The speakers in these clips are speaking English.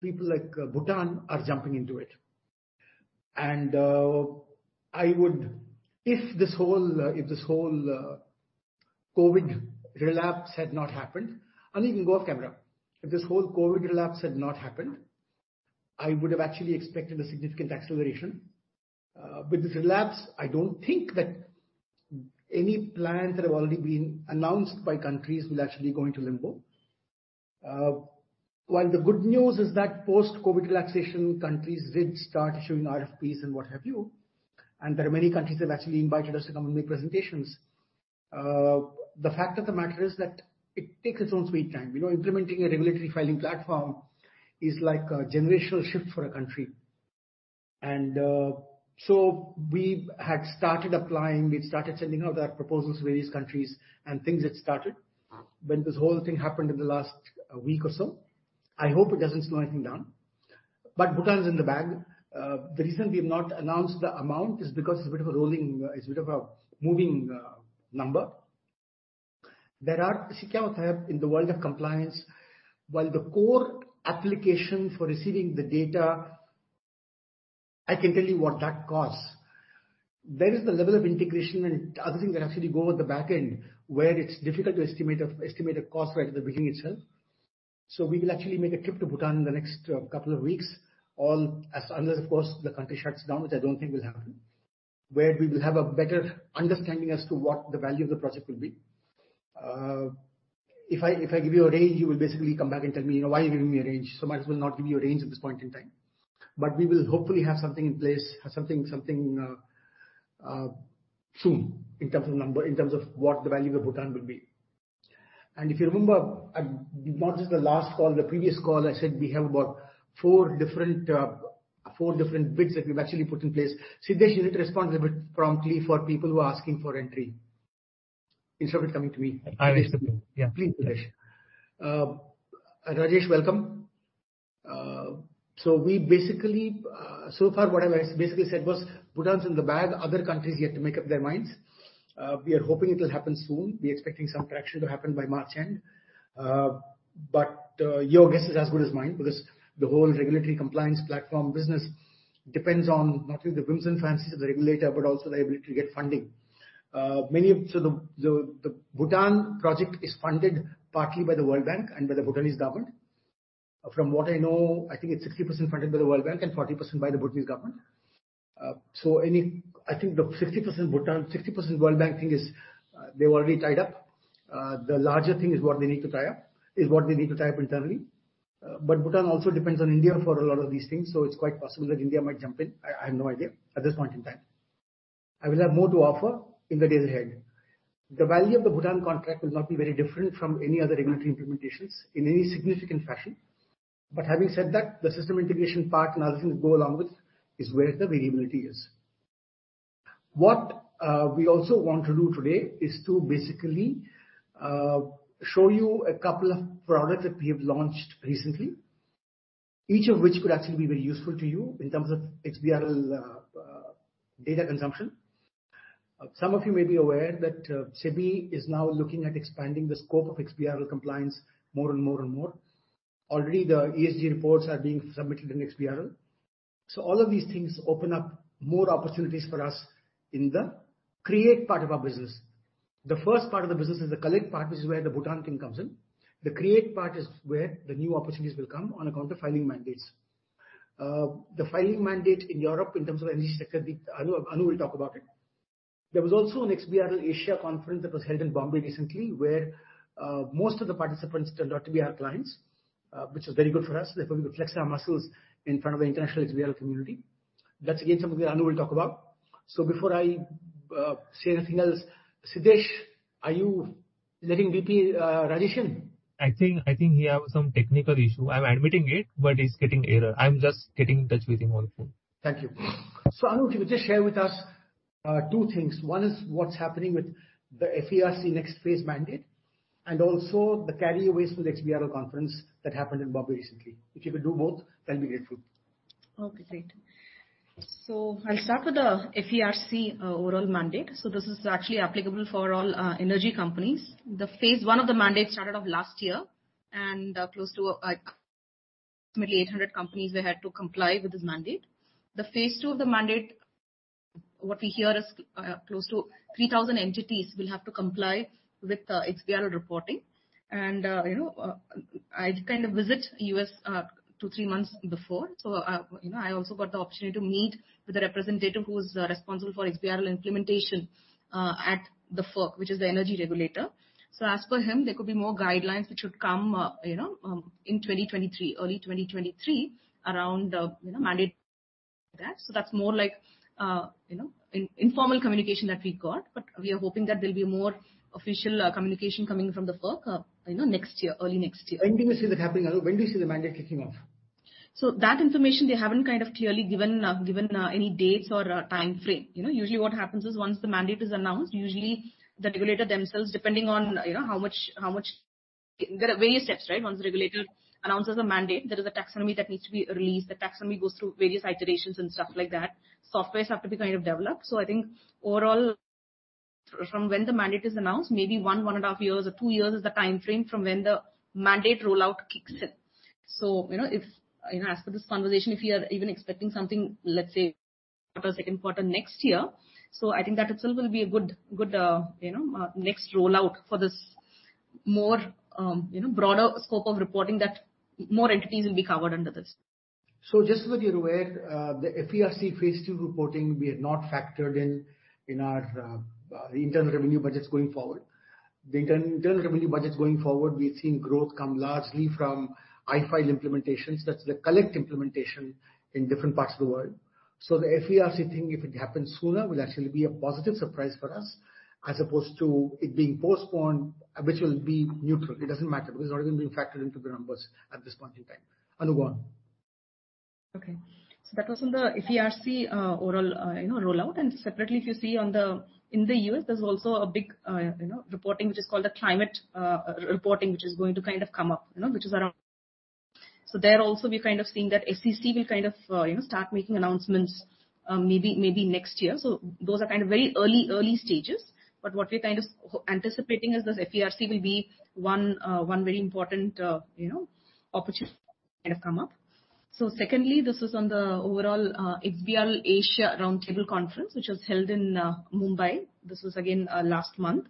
People like Bhutan are jumping into it. If this whole COVID relapse had not happened, and you can go off camera, I would have actually expected a significant acceleration. This relapse, I don't think that any plans that have already been announced by countries will actually go into limbo. While the good news is that post-COVID relaxation, countries did start issuing RFPs and what have you, and there are many countries that have actually invited us to come and make presentations. The fact of the matter is that it takes its own sweet time. You know, implementing a regulatory filing platform is like a generational shift for a country. We had started applying, we'd started sending out our proposals to various countries and things had started. When this whole thing happened in the last week or so, I hope it doesn't slow anything down. Bhutan is in the bag. The reason we have not announced the amount is because it's a bit of a rolling, it's a bit of a moving number. You see, Kamath, in the world of compliance, while the core application for receiving the data, I can tell you what that costs. There is the level of integration and other things that actually go at the back end, where it's difficult to estimate a cost right at the beginning itself. We will actually make a trip to Bhutan in the next couple of weeks. Unless, of course, the country shuts down, which I don't think will happen. Where we will have a better understanding as to what the value of the project will be. If I give you a range, you will basically come back and tell me, "Why are you giving me a range?" Might as well not give you a range at this point in time. We will hopefully have something in place, something soon in terms of number, in terms of what the value of Bhutan will be. If you remember, not just the last call, the previous call, I said we have about four different bits that we've actually put in place. Siddesh, you need to respond a bit promptly for people who are asking for entry instead of it coming to me. I understand. Yeah. Please, Siddesh. Rajesh, welcome. So far what I basically said was, Bhutan's in the bag, other countries yet to make up their minds. We are hoping it will happen soon. We're expecting some traction to happen by March end. Your guess is as good as mine because the whole regulatory compliance platform business depends on not only the whims and fancies of the regulator, but also the ability to get funding. The Bhutan project is funded partly by the World Bank and by the Bhutanese government. From what I know, I think it's 60% funded by the World Bank and 40% by the Bhutanese government. I think the 60% Bhutan, 60% World Bank thing is, they've already tied up. The larger thing is what they need to tie up, is what they need to tie up internally. Bhutan also depends on India for a lot of these things, so it's quite possible that India might jump in. I have no idea at this point in time. I will have more to offer in the days ahead. The value of the Bhutan contract will not be very different from any other regulatory implementations in any significant fashion. Having said that, the system integration part and other things go along with is where the variability is. What we also want to do today is to basically, show you a couple of products that we have launched recently, each of which could actually be very useful to you in terms of XBRL, data consumption. Some of you may be aware that SEBI is now looking at expanding the scope of XBRL compliance more and more and more. Already the ESG reports are being submitted in XBRL. All of these things open up more opportunities for us in the create part of our business. The first part of the business is the collect part. This is where the Bhutan thing comes in. The create part is where the new opportunities will come on account of filing mandates. The filing mandate in Europe in terms of energy sector, Anu will talk about it. There was also an XBRL Asia conference that was held in Bombay recently, where most of the participants turned out to be our clients, which was very good for us. Therefore, we could flex our muscles in front of the international XBRL community. That's again something that Anu will talk about. Before I say anything else, Siddesh, are you letting VP Rajesh in? I think he have some technical issue. I'm admitting it, but he's getting error. I'm just getting in touch with him on the phone. Thank you. Anu, if you could just share with us two things. One is what's happening with the FERC next phase mandate, and also the carry-aways from the XBRL conference that happened in Bombay recently. If you could do both, that'll be grateful. Okay, great. I'll start with the FERC overall mandate. This is actually applicable for all energy companies. The phase 1 of the mandate started off last year and, close to approximately 800 companies they had to comply with this mandate. The phase 2 of the mandate, what we hear is, close to 3,000 entities will have to comply with XBRL reporting. You know, I kind of visit U.S. two, three months before. You know, I also got the opportunity to meet with the representative who's responsible for XBRL implementation at the FERC, which is the energy regulator. As per him, there could be more guidelines which would come, you know, in 2023, early 2023 around, you know, mandate like that. That's more like, you know, informal communication that we got, but we are hoping that there'll be more official communication coming from the FERC, you know, next year, early next year. When do you see that happening, Anu? When do you see the mandate kicking off? That information, they haven't kind of clearly given any dates or a timeframe. You know, usually what happens is once the mandate is announced, usually the regulator themselves, depending on, you know, how much. There are various steps, right? Once the regulator announces a mandate, there is a taxonomy that needs to be released. The taxonomy goes through various iterations and stuff like that. Software have to be kind of developed. From when the mandate is announced, maybe one and a half years or two years is the timeframe from when the mandate rollout kicks in. You know, if, you know, as for this conversation, if you are even expecting something, let's say, quarter 2nd quarter next year. I think that itself will be a good, you know, next rollout for this more, you know, broader scope of reporting that more entities will be covered under this. Just so that you're aware, the FERC phase two reporting, we have not factored in our internal revenue budgets going forward. The internal revenue budgets going forward, we've seen growth come largely from iFile implementations. That's the collect implementation in different parts of the world. The FERC thing, if it happens sooner, will actually be a positive surprise for us as opposed to it being postponed, which will be neutral. It doesn't matter because it's not even being factored into the numbers at this point in time. Anu. Okay. That was on the FERC overall, you know, rollout. Separately, if you see in the U.S. there's also a big, you know, reporting which is called the climate reporting, which is going to kind of come up, you know, which is around. There also we're kind of seeing that SEC will kind of, you know, start making announcements, maybe next year. Those are kind of very early stages. What we're kind of anticipating is this FERC will be one very important, you know, opportunity to come up. Secondly, this is on the overall XBRL Asia Roundtable Conference, which was held in Mumbai. This was again last month.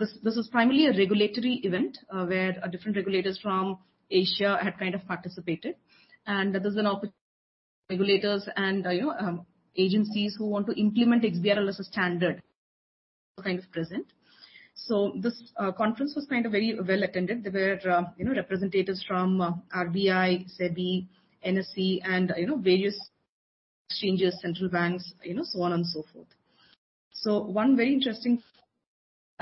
This, this is primarily a regulatory event, where different regulators from Asia had kind of participated. This is an opportunity regulators and, you know, agencies who want to implement XBRL as a standard present. This conference was kind of very well attended. There were, you know, representatives from RBI, SEBI, NSE and you know, various exchanges, central banks, you know, so on and so forth. One very interesting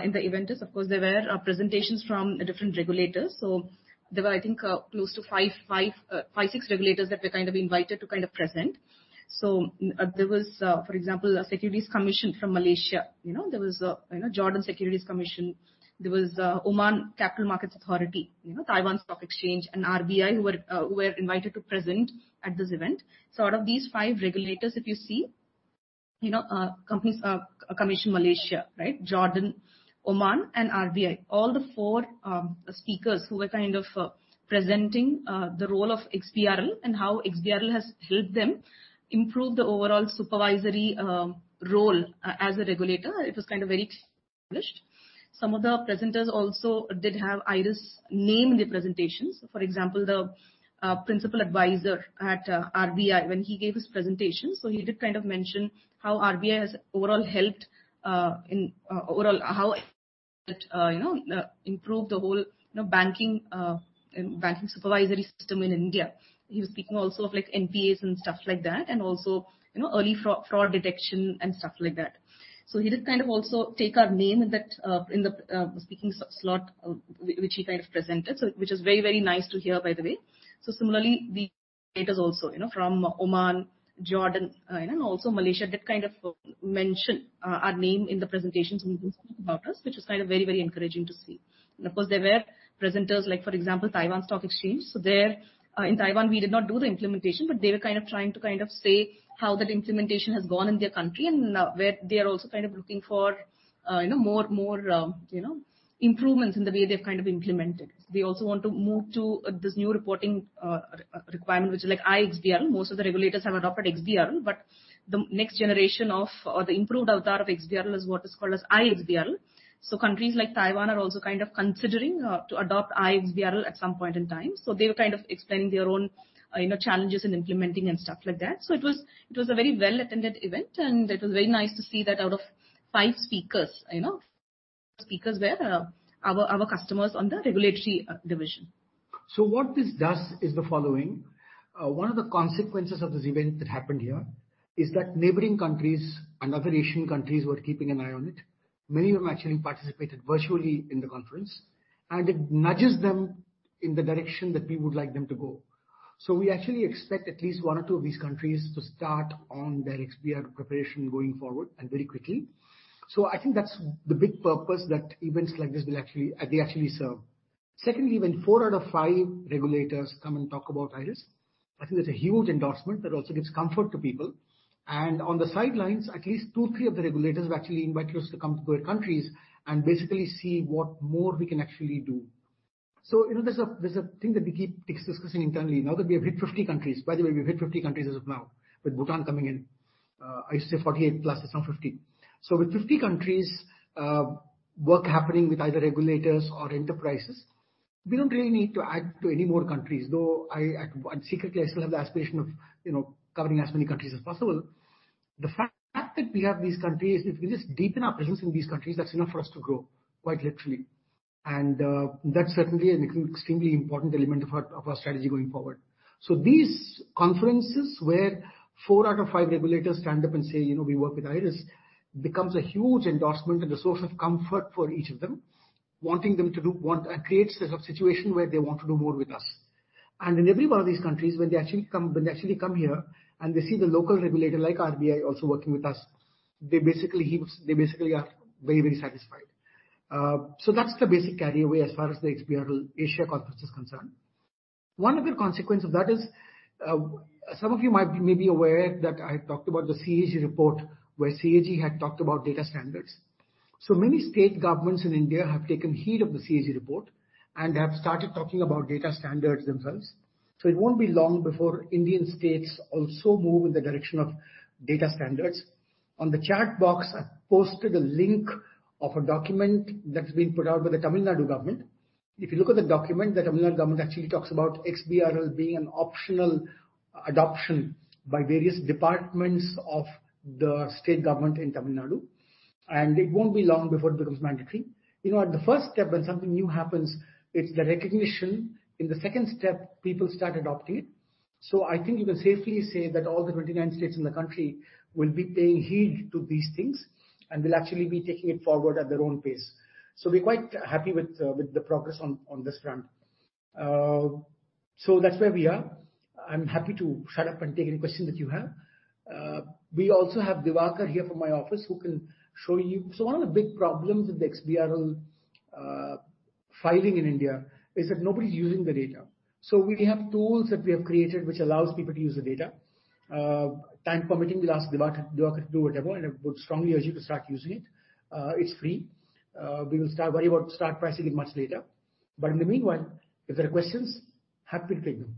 in the event is of course there were presentations from the different regulators. There were, I think, close to five, six regulators that were kind of invited to kind of present. There was, for example, a Securities Commission from Malaysia. You know, there was a, you know, Jordan Securities Commission, there was, Oman Capital Markets Authority, you know, Taiwan Stock Exchange and RBI who were, who were invited to present at this event. Out of these five regulators, if you see, you know, Companies Commission Malaysia, right, Jordan, Oman and RBI, all the four speakers who were kind of presenting the role of XBRL and how XBRL has helped them improve the overall supervisory role as a regulator, it was kind of very established. Some of the presenters also did have IRIS name in the presentations. For example, the principal advisor at RBI, when he gave his presentation. He did kind of mention how RBI has overall helped in overall how, you know, improve the whole, you know, banking supervisory system in India. He was speaking also of like NPAs and stuff like that, and also, you know, early fraud detection and stuff like that. He did kind of also take our name in that in the speaking slot, which he kind of presented. Which is very, very nice to hear, by the way. Similarly, the also, you know, from Oman, Jordan, you know, also Malaysia did kind of mention our name in the presentations and speak about us, which is kind of very, very encouraging to see. Of course, there were presenters like for example, Taiwan Stock Exchange. There in Taiwan, we did not do the implementation, but they were kind of trying to kind of say how that implementation has gone in their country and where they are also kind of looking for, you know, more, more, you know, improvements in the way they've kind of implemented. They also want to move to this new reporting requirement, which is like iXBRL. Most of the regulators have adopted XBRL, but the next generation of, or the improved avatar of XBRL is what is called as iXBRL. Countries like Taiwan are also kind of considering to adopt iXBRL at some point in time. They were kind of explaining their own, you know, challenges in implementing and stuff like that. It was a very well attended event, and it was very nice to see that out of five speakers, you know, speakers were our customers on the regulatory division. What this does is the following. One of the consequences of this event that happened here is that neighboring countries and other Asian countries were keeping an eye on it. Many of them actually participated virtually in the conference, it nudges them in the direction that we would like them to go. We actually expect at least one or two of these countries to start on their XBRL preparation going forward and very quickly. I think that's the big purpose that events like this will actually, they actually serve. Secondly, when four out of five regulators come and talk about IRIS, I think that's a huge endorsement that also gives comfort to people. On the sidelines, at least two, three of the regulators have actually invited us to come to their countries and basically see what more we can actually do. You know, there's a thing that we keep discussing internally now that we have hit 50 countries. By the way, we've hit 50 countries as of now, with Bhutan coming in. I used to say 48 plus, it's now 50. With 50 countries, work happening with either regulators or enterprises, we don't really need to add to any more countries, though I secretly, I still have the aspiration of, you know, covering as many countries as possible. The fact that we have these countries, if we just deepen our presence in these countries, that's enough for us to grow, quite literally. That certainly is an extremely important element of our strategy going forward. These conferences where four out of five regulators stand up and say, "You know, we work with IRIS," becomes a huge endorsement and a source of comfort for each of them, creates a situation where they want to do more with us. In every one of these countries, when they actually come here and they see the local regulator like RBI also working with us, they basically are very, very satisfied. That's the basic carry away as far as the XBRL Asia conference is concerned. One of the consequence of that is, some of you might be maybe aware that I talked about the CAG report, where CAG had talked about data standards. Many state governments in India have taken heed of the CAG report and have started talking about data standards themselves. It won't be long before Indian states also move in the direction of data standards. On the chat box, I've posted a link of a document that's been put out by the Tamil Nadu government. If you look at the document, the Tamil Nadu government actually talks about XBRL being an optional adoption by various departments of the state government in Tamil Nadu, and it won't be long before it becomes mandatory. You know, at the first step when something new happens, it's the recognition. In the second step, people start adopting it. I think you can safely say that all the 29 states in the country will be paying heed to these things, and will actually be taking it forward at their own pace. We're quite happy with the progress on this front. That's where we are. I'm happy to shut up and take any questions that you have. We also have Diwakar here from my office who can show you... One of the big problems with XBRL filing in India is that nobody's using the data. Time permitting, we'll ask Diwakar to do a demo, and I would strongly urge you to start using it. It's free. We will worry about start pricing it much later. In the meanwhile, if there are questions, happy to take them.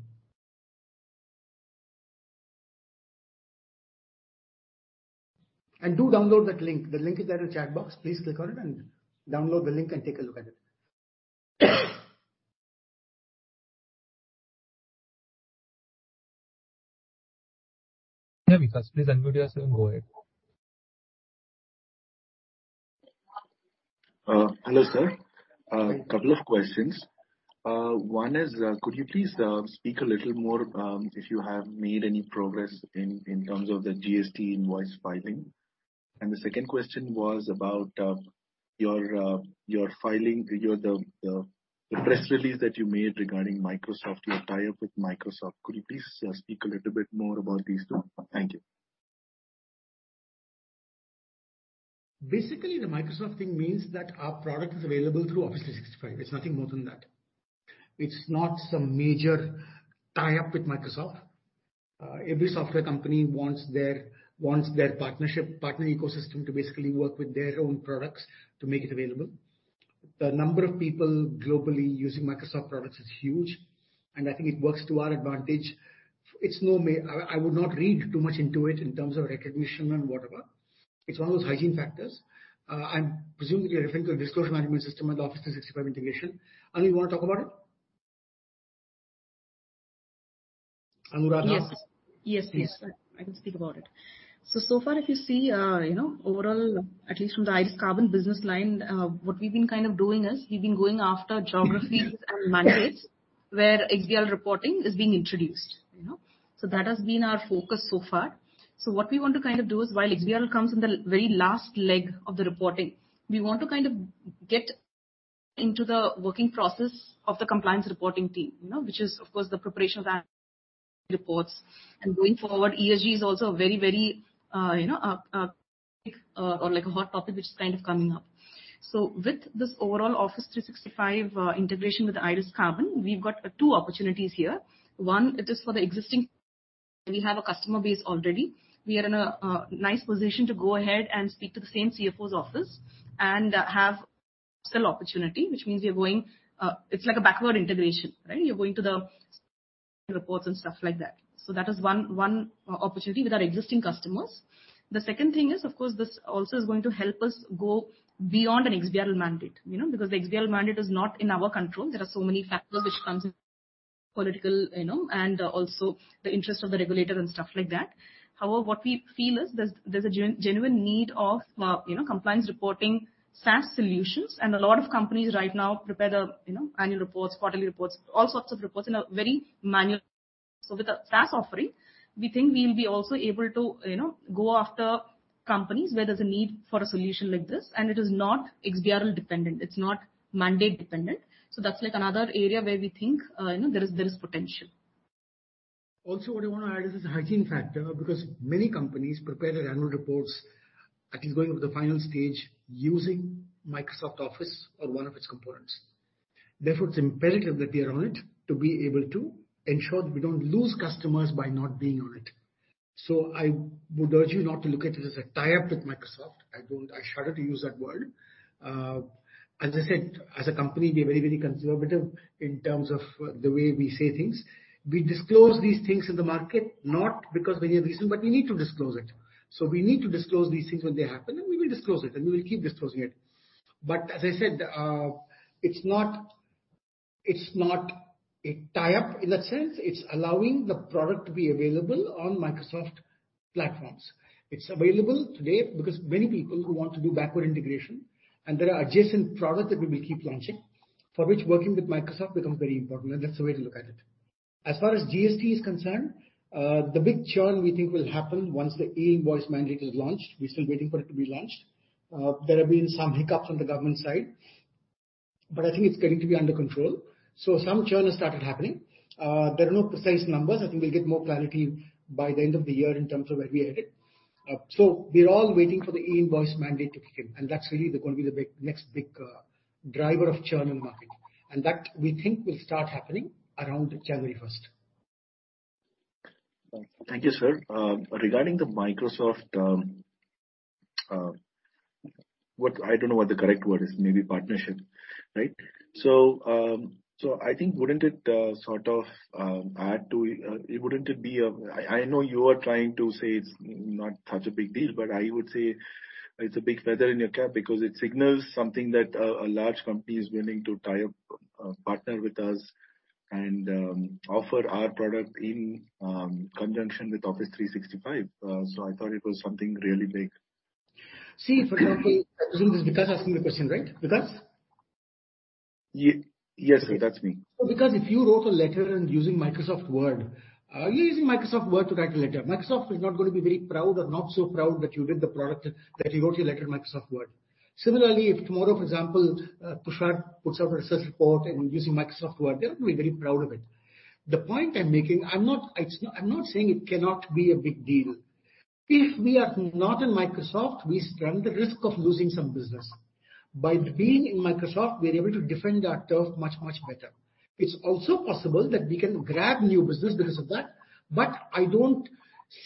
Do download that link. The link is there in the chat box. Please click on it and download the link and take a look at it. Yeah, Vikas, please unmute yourself and go ahead. Hello, sir. Couple of questions. One is, could you please speak a little more if you have made any progress in terms of the GST invoice filing? The second question was about your filing, your, the press release that you made regarding Microsoft, your tie-up with Microsoft. Could you please speak a little bit more about these two? Thank you. Basically, the Microsoft thing means that our product is available through Office 365. It's nothing more than that. It's not some major tie-up with Microsoft. Every software company wants their partnership, partner ecosystem to basically work with their own products to make it available. The number of people globally using Microsoft products is huge, and I think it works to our advantage. It's no I would not read too much into it in terms of recognition and whatever. It's one of those hygiene factors. I'm presuming that you're referring to a disclosure management system and Office 365 integration. Anu, you wanna talk about it? Anuradha? Yes. Yes, yes. I can speak about it. So far if you see, you know, overall, at least from the IRIS CARBON business line, what we've been kind of doing is we've been going after geographies and mandates where XBRL reporting is being introduced, you know. That has been our focus so far. What we want to kind of do is while XBRL comes in the very last leg of the reporting, we want to kind of get into the working process of the compliance reporting team, you know, which is of course the preparation of annual reports. Going forward, ESG is also a very, very, you know, or like a hot topic which is kind of coming up. With this overall Office 365 integration with IRIS CARBON, we've got two opportunities here. It is for the existing. We have a customer base already. We are in a nice position to go ahead and speak to the same CFO's office and have sell opportunity, which means we are going, it's like a backward integration, right? You're going to the reports and stuff like that. That is one opportunity with our existing customers. The second thing is, of course, this also is going to help us go beyond an XBRL mandate. You know, because the XBRL mandate is not in our control. There are so many factors which comes in political, you know, and also the interest of the regulator and stuff like that. However, what we feel is there's a genuine need of, you know, compliance reporting SaaS solutions. A lot of companies right now prepare the, you know, annual reports, quarterly reports, all sorts of reports in a very manual. With a SaaS offering, we think we'll be also able to, you know, go after companies where there's a need for a solution like this and it is not XBRL dependent. It's not mandate dependent. That's like another area where we think, you know, there is potential. What I wanna add is this hygiene factor, because many companies prepare their annual reports, at least going over the final stage, using Microsoft Office or one of its components. It's imperative that we are on it to be able to ensure that we don't lose customers by not being on it. I would urge you not to look at it as a tie-up with Microsoft. I shudder to use that word. As I said, as a company, we are very, very conservative in terms of the way we say things. We disclose these things in the market, not because we have a reason, but we need to disclose it. We need to disclose these things when they happen, and we will disclose it, and we will keep disclosing it. As I said, it's not, it's not a tie-up in that sense. It's allowing the product to be available on Microsoft platforms. It's available today because many people who want to do backward integration, and there are adjacent products that we will keep launching, for which working with Microsoft becomes very important, and that's the way to look at it. As far as GST is concerned, the big churn we think will happen once the e-invoice mandate is launched. We're still waiting for it to be launched. There have been some hiccups on the government side, but I think it's getting to be under control. Some churn has started happening. There are no precise numbers. I think we'll get more clarity by the end of the year in terms of where we're headed. We're all waiting for the e-invoice mandate to kick in, and that's really going to be the next big driver of churning market. That we think will start happening around January first. Thank you, sir. regarding the Microsoft, what... I don't know what the correct word is, maybe partnership, right? I think wouldn't it sort of Wouldn't it be... I know you are trying to say it's not such a big deal, but I would say it's a big feather in your cap because it signals something that a large company is willing to tie up, partner with us and offer our product in conjunction with Office 365. I thought it was something really big. See, for example, Vikas asking the question, right? Vikas? Yes, sir. That's me. Vikas, if you wrote a letter and using Microsoft Word, are you using Microsoft Word to write a letter? Microsoft is not gonna be very proud or not so proud that you did the product that you wrote your letter in Microsoft Word. Similarly, if tomorrow, for example, Pushpa puts up a research report and using Microsoft Word, they're gonna be very proud of it. The point I'm making, I'm not saying it cannot be a big deal. If we are not in Microsoft, we run the risk of losing some business. By being in Microsoft, we're able to defend our turf much, much better. It's also possible that we can grab new business because of that, I don't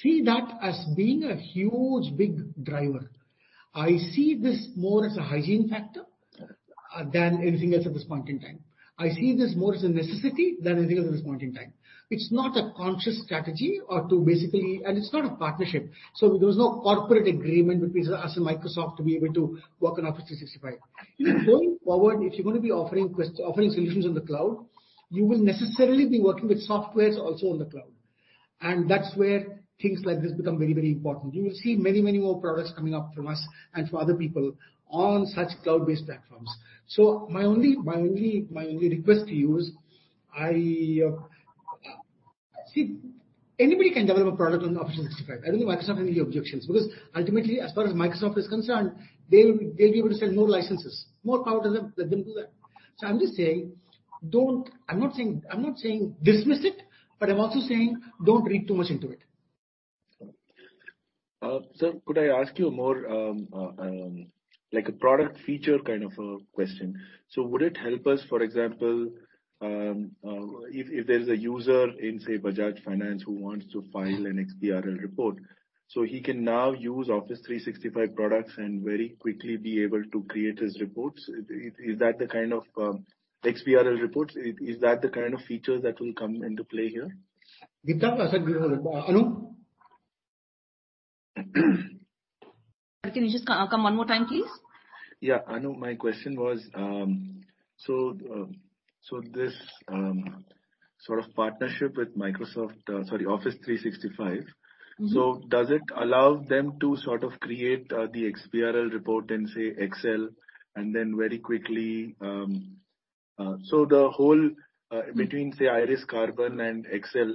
see that as being a huge, big driver. I see this more as a hygiene factor than anything else at this point in time. I see this more as a necessity than anything else at this point in time. It's not a conscious strategy or to basically... It's not a partnership. There's no corporate agreement between us and Microsoft to be able to work on Office 365. Going forward, if you're gonna be offering solutions on the cloud, you will necessarily be working with softwares also on the cloud. That's where things like this become very, very important. You will see many, many more products coming up from us and from other people on such cloud-based platforms. My only request to you is I... See, anybody can develop a product on Office 365. I don't think Microsoft has any objections. Ultimately, as far as Microsoft is concerned, they'll be able to sell more licenses. More power to them. Let them do that. I'm just saying I'm not saying dismiss it, but I'm also saying don't read too much into it. Sir, could I ask you a more like a product feature kind of a question? Would it help us, for example, if there's a user in, say, Bajaj Finance who wants to file an XBRL report, so he can now use Office 365 products and very quickly be able to create his reports. Is that the kind of XBRL reports, is that the kind of feature that will come into play here? Vikas, I said. Anu? Can you just come one more time, please? Yeah. Anu, my question was, so this sort of partnership with Microsoft, sorry, Office 365. Mm-hmm. Does it allow them to sort of create the XBRL report in, say, Excel and then very quickly? The whole, between, say, IRIS CARBON and Excel,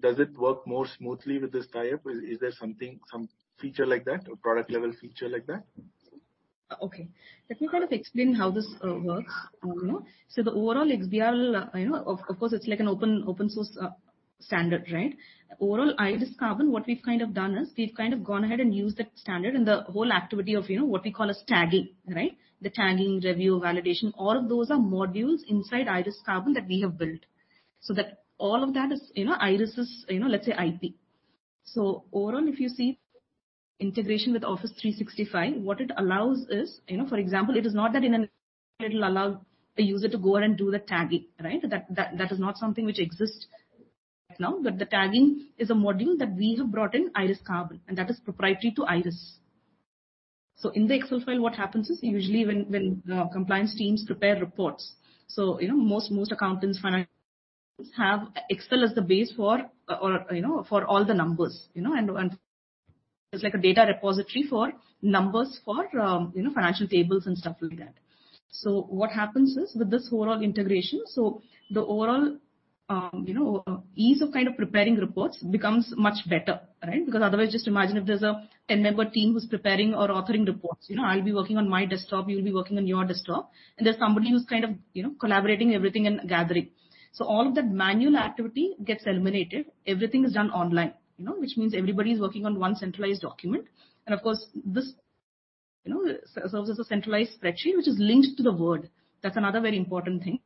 does it work more smoothly with this tie-up? Is there something, some feature like that or product level feature like that? Okay. Let me kind of explain how this works, Anu. The overall XBRL, you know, of course, it's like an open source standard, right? Overall, IRIS CARBON, what we've kind of done is we've kind of gone ahead and used that standard and the whole activity of, you know, what we call as tagging, right? The tagging, review, validation, all of those are modules inside IRIS CARBON that we have built. That all of that is, you know, IRIS's, you know, let's say, IP. Overall, if you see integration with Office 365, what it allows is, you know, for example, it is not that in an it'll allow a user to go and do the tagging, right? That is not something which exists right now. The tagging is a module that we have brought in IRIS CARBON, and that is proprietary to IRIS. In the Excel file, what happens is usually when compliance teams prepare reports. You know, most accountants, finance have Excel as the base for, you know, for all the numbers, you know, and it's like a data repository for numbers for, you know, financial tables and stuff like that. What happens is with this whole integration, the overall, you know, ease of kind of preparing reports becomes much better, right? Because otherwise just imagine if there's a 10-member team who's preparing or authoring reports. You know, I'll be working on my desktop, you'll be working on your desktop, and there's somebody who's kind of, you know, collaborating everything and gathering. All of that manual activity gets eliminated. Everything is done online, you know, which means everybody's working on one centralized document. Of course, this, you know, serves as a centralized spreadsheet which is linked to the Word. That's another very important thing.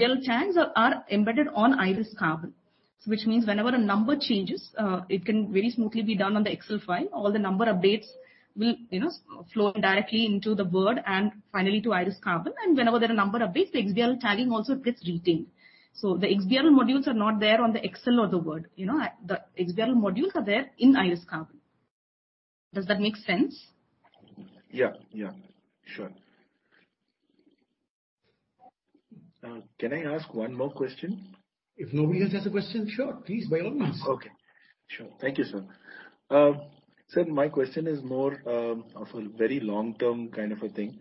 XL tags are embedded on IRIS CARBON, which means whenever a number changes, it can very smoothly be done on the Excel file. All the number updates will, you know, flow directly into the Word and finally to IRIS CARBON. Whenever there are number updates, the XBRL tagging also gets retained. The XBRL modules are not there on the Excel or the Word. You know, the XBRL modules are there in IRIS CARBON. Does that make sense? Yeah. Yeah. Sure. Can I ask one more question? If nobody else has a question, sure. Please, by all means. Okay. Sure. Thank you, sir. Sir, my question is more of a very long-term kind of a thing.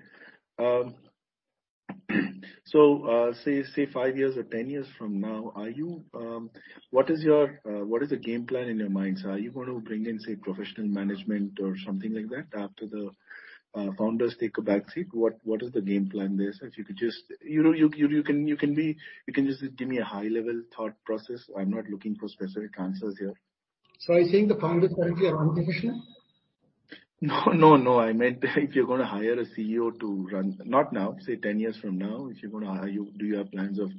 Say five years or 10 years from now, are you... What is your... What is the game plan in your minds? Are you gonna bring in, say, professional management or something like that after the founders take a backseat. What is the game plan there? If you could just... You know, you can, you can just give me a high-level thought process. I'm not looking for specific answers here. Are you saying the founders currently are on the picture? No, no. I meant if you're gonna hire a CEO to run, not now, say 10 years from now, if you're gonna hire, do you have plans of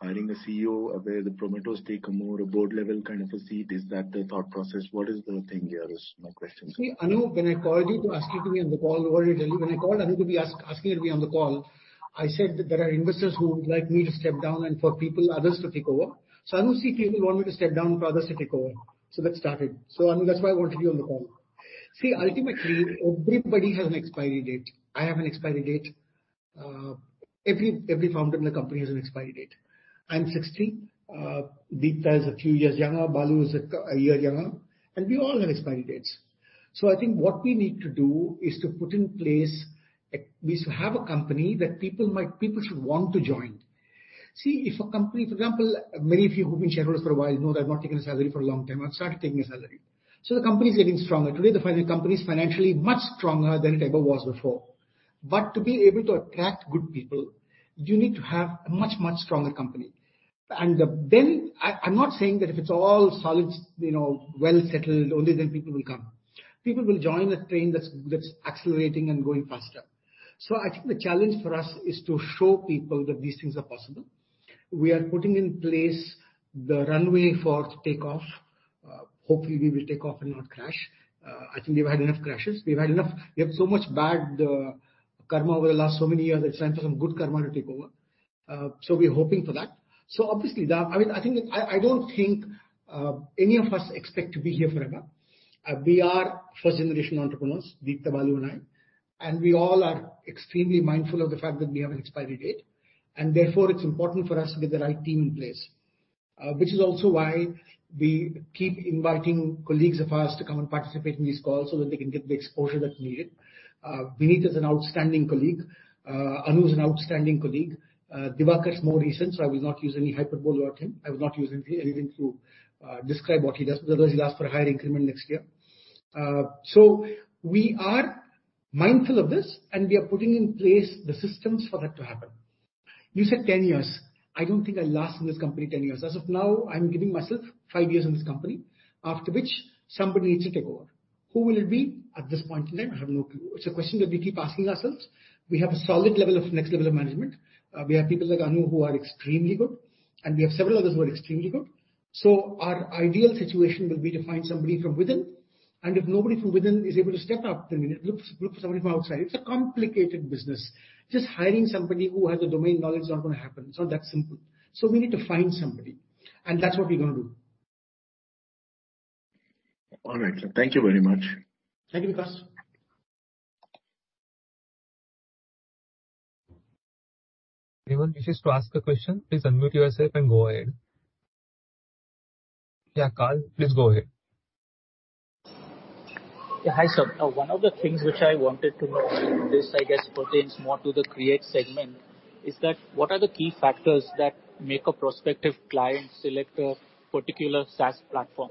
hiring a CEO where the promoters take a more board level kind of a seat? Is that the thought process? What is the thing here is my question. Anu, when I called you to ask you to be on the call, we've already told you. When I called Anu to be asking to be on the call, I said that there are investors who would like me to step down and for people, others to take over. Anu said people want me to step down for others to take over. That started. I mean, that's why I wanted you on the call. Ultimately, everybody has an expiry date. I have an expiry date. Every founder in the company has an expiry date. I'm 60. Deep is a few years younger. Balu is a year younger. We all have expiry dates. I think what we need to do is to put in place we should have a company that people should want to join. See if a company, for example, many of you who've been shareholders for a while know that I've not taken a salary for a long time. I've started taking a salary. The company is getting stronger. Today, the company is financially much stronger than it ever was before. To be able to attract good people, you need to have a much, much stronger company. I'm not saying that if it's all solid, you know, well settled, only then people will come. People will join a train that's accelerating and going faster. I think the challenge for us is to show people that these things are possible. We are putting in place the runway for take-off. Hopefully, we will take off and not crash. I think we've had enough crashes. We've had enough. We have so much bad karma over the last so many years. It's time for some good karma to take over. So we're hoping for that. Obviously that. I mean, I think, I don't think any of us expect to be here forever. We are first-generation entrepreneurs, Deep, Balu and I, and we all are extremely mindful of the fact that we have an expiry date. Therefore, it's important for us to get the right team in place. Which is also why we keep inviting colleagues of ours to come and participate in these calls so that they can get the exposure that's needed. Vineet is an outstanding colleague. Anu is an outstanding colleague. Diwakar is more recent, so I will not use any hyperbole about him. I will not use anything to describe what he does, otherwise he'll ask for a higher increment next year. We are mindful of this, and we are putting in place the systems for that to happen. You said 10 years. I don't think I'll last in this company 10 years. As of now, I'm giving myself 5 years in this company, after which somebody needs to take over. Who will it be? At this point in time, I have no clue. It's a question that we keep asking ourselves. We have a solid level of next level of management. We have people like Anu who are extremely good, and we have several others who are extremely good. Our ideal situation will be to find somebody from within. If nobody from within is able to step up, we need to look for somebody from outside. It's a complicated business. Just hiring somebody who has the domain knowledge is not gonna happen. It's not that simple. We need to find somebody. That's what we're gonna do. All right, sir. Thank you very much. Thank you, Vikas. Anyone wishes to ask a question, please unmute yourself and go ahead. Karl, please go ahead. Yeah, hi, sir. One of the things which I wanted to know, and this I guess pertains more to the Create segment, is that what are the key factors that make a prospective client select a particular SaaS platform?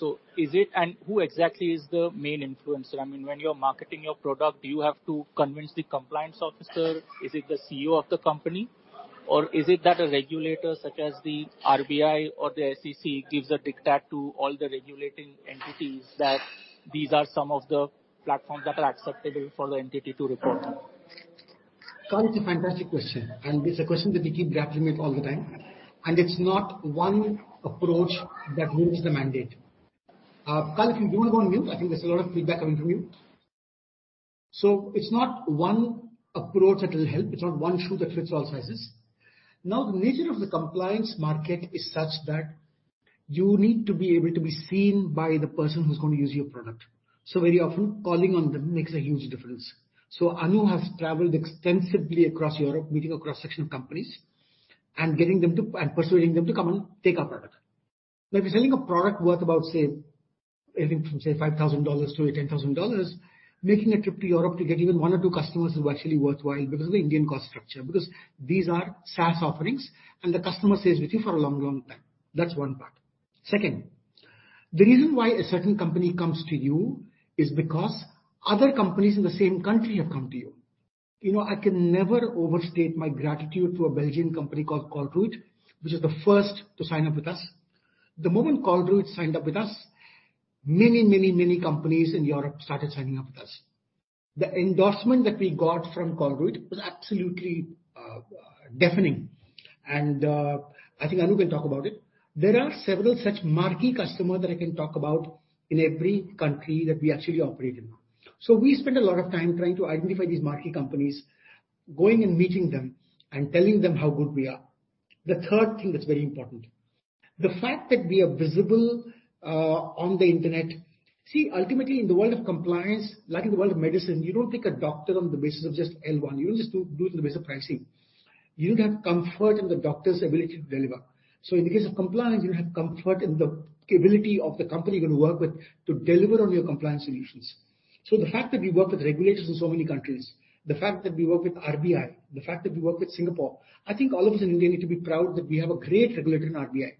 Who exactly is the main influencer? I mean, when you're marketing your product, do you have to convince the compliance officer? Is it the CEO of the company? Is it that a regulator such as the RBI or the SEC gives a diktat to all the regulating entities that these are some of the platforms that are acceptable for the entity to report? Karl, it's a fantastic question. It's a question that we keep grappling with all the time. It's not one approach that moves the mandate. Karl, if you don't go on mute, I think there's a lot of feedback coming from you. It's not one approach that will help. It's not one shoe that fits all sizes. Now, the nature of the compliance market is such that you need to be able to be seen by the person who's gonna use your product. Very often calling on them makes a huge difference. Anu has traveled extensively across Europe, meeting a cross-section of companies and persuading them to come and take our product. Now, if you're selling a product worth about, say, anything from, say, $5,000 to $10,000, making a trip to Europe to get even one or two customers is actually worthwhile because of the Indian cost structure, because these are SaaS offerings and the customer stays with you for a long, long time. That's one part. Second, the reason why a certain company comes to you is because other companies in the same country have come to you. You know, I can never overstate my gratitude to a Belgian company called Colruyt, which was the first to sign up with us. The moment Colruyt signed up with us, many, many, many companies in Europe started signing up with us. The endorsement that we got from Colruyt was absolutely deafening. I think Anu can talk about it. There are several such marquee customers that I can talk about in every country that we actually operate in. We spend a lot of time trying to identify these marquee companies, going and meeting them and telling them how good we are. The third thing that's very important, the fact that we are visible on the internet. Ultimately in the world of compliance, like in the world of medicine, you don't pick a doctor on the basis of just L1. You don't just do it on the basis of pricing. You need to have comfort in the doctor's ability to deliver. In the case of compliance, you have comfort in the capability of the company you're gonna work with to deliver on your compliance solutions. The fact that we work with regulators in so many countries, the fact that we work with RBI, the fact that we work with Singapore, I think all of us in India need to be proud that we have a great regulator in RBI.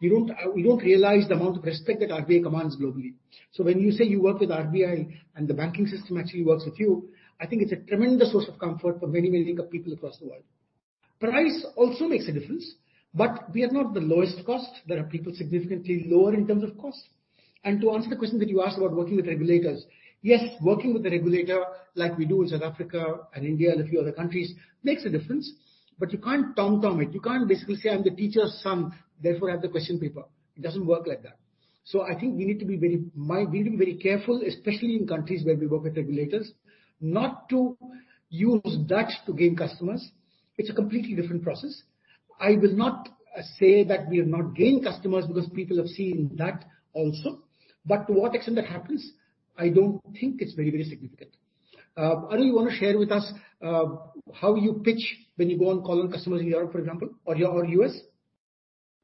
We don't realize the amount of respect that RBI commands globally. When you say you work with RBI and the banking system actually works with you, I think it's a tremendous source of comfort for many, many people across the world. Price also makes a difference, but we are not the lowest cost. There are people significantly lower in terms of cost. To answer the question that you asked about working with regulators, yes, working with the regulator like we do in South Africa and India and a few other countries makes a difference. But you can't tom-tom it. You can't basically say, "I'm the teacher's son, therefore, I have the question paper." It doesn't work like that. I think we need to be very careful, especially in countries where we work with regulators, not to use that to gain customers. It's a completely different process. I will not say that we have not gained customers because people have seen that also. To what extent that happens, I don't think it's very, very significant. Anu, you wanna share with us, how you pitch when you go and call on customers in Europe, for example, or US?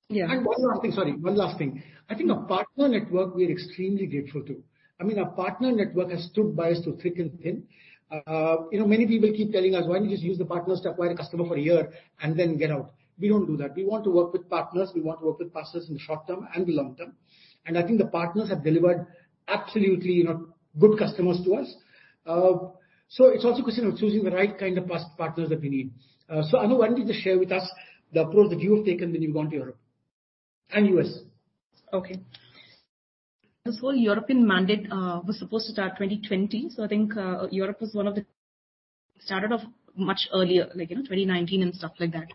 Yeah. One last thing. Sorry, one last thing. Yeah. I think our partner network, we are extremely grateful to. I mean, our partner network has stood by us through thick and thin. You know, many people keep telling us, "Why don't you just use the partners to acquire a customer for a year and then get out?" We don't do that. We want to work with partners. We want to work with partners in the short term and the long term. I think the partners have delivered absolutely, you know, good customers to us. It's also a question of choosing the right kind of past partners that we need. Anu, why don't you just share with us the approach that you have taken when you go into Europe and U.S. Okay. This whole European mandate was supposed to start 2020. I think Europe was one of the... Started off much earlier, like, you know, 2019 and stuff like that.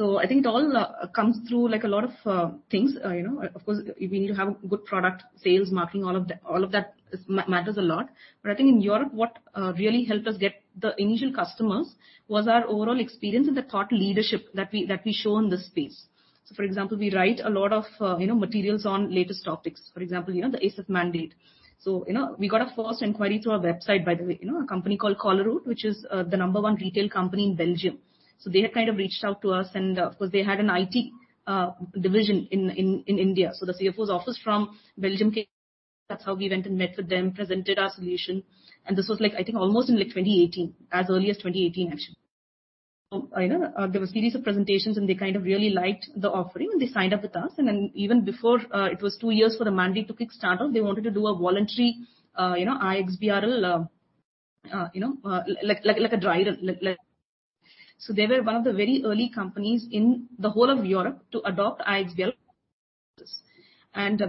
I think it all comes through, like, a lot of things. You know, of course we need to have good product sales, marketing, all of that, all of that matters a lot. I think in Europe, what really helped us get the initial customers was our overall experience and the thought leadership that we, that we show in this space. For example, we write a lot of, you know, materials on latest topics. For example, you know, the ESEF mandate. You know, we got a first inquiry through our website, by the way. You know, a company called Colruyt, which is the number one retail company in Belgium. They had kind of reached out to us, and, of course, they had an IT division in India. The CFO's office from Belgium came. That's how we went and met with them, presented our solution, and this was like, I think, almost in, like, 2018. As early as 2018, actually. You know, there were a series of presentations, and they kind of really liked the offering and they signed up with us. Even before, it was two years for the mandate to kickstart off, they wanted to do a voluntary, you know, iXBRL, you know, like a dry run, like. They were one of the very early companies in the whole of Europe to adopt iXBRL.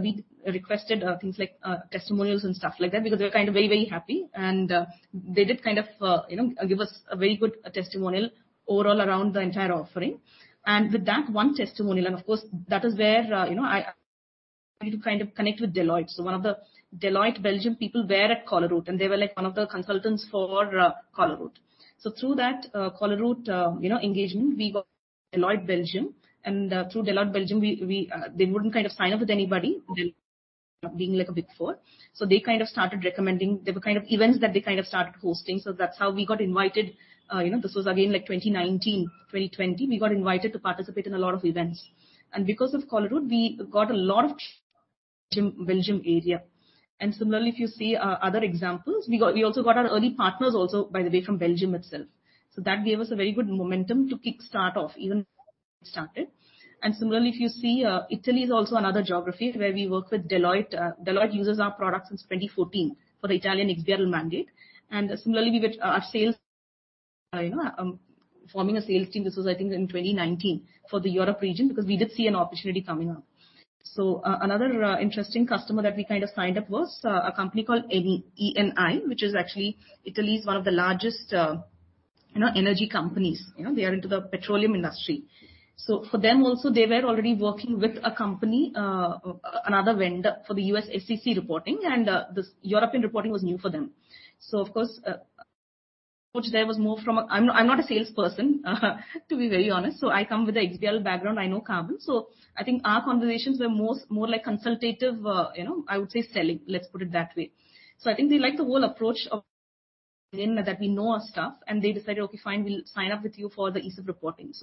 We requested things like testimonials and stuff like that because they were kind of very, very happy. They did kind of, you know, give us a very good testimonial overall around the entire offering. With that one testimonial, and of course, that is where, you know, I to kind of connect with Deloitte. One of the Deloitte Belgium people were at Colruyt, and they were, like, one of the consultants for Colruyt. Through that Colruyt, you know, engagement, we got Deloitte Belgium, and through Deloitte Belgium, we... They wouldn't kind of sign up with anybody, them being like a Big Four. They kind of started recommending... There were kind of events that they kind of started hosting. That's how we got invited. you know, this was again, like, 2019, 2020. We got invited to participate in a lot of events. Because of Colruyt, we got a lot of Belgium area. Similarly, if you see, other examples, we also got our early partners also, by the way, from Belgium itself. That gave us a very good momentum to kickstart off even started. Similarly, if you see, Italy is also another geography where we work with Deloitte. Deloitte uses our product since 2014 for the Italian XBRL mandate. Similarly, we get our sales, you know, forming a sales team. This was, I think, in 2019 for the Europe region, because we did see an opportunity coming up. Another interesting customer that we kind of signed up was a company called Eni, which is actually Italy's one of the largest, you know, energy companies. You know, they are into the petroleum industry. For them also, they were already working with a company, another vendor for the U.S. SEC reporting. This European reporting was new for them. Of course, I'm not a salesperson, to be very honest. I come with a XBRL background. I know Carbon. I think our conversations were most more like consultative, you know, I would say selling, let's put it that way. I think they like the whole approach of that we know our stuff and they decided, "Okay, fine, we'll sign up with you for the ESEF reporting."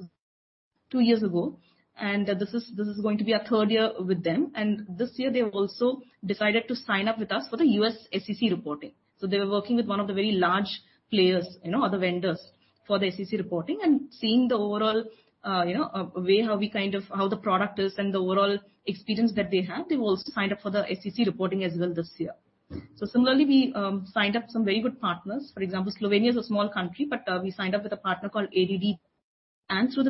Two years ago, and this is, this is going to be our third year with them. This year they've also decided to sign up with us for the U.S. SEC reporting. They were working with one of the very large players, you know, other vendors for the U.S. SEC reporting and seeing the overall, you know, way how the product is and the overall experience that they have. They've also signed up for the U.S. SEC reporting as well this year. Similarly, we signed up some very good partners. For example, Slovenia is a small country, but, we signed up with a partner called ADD. Through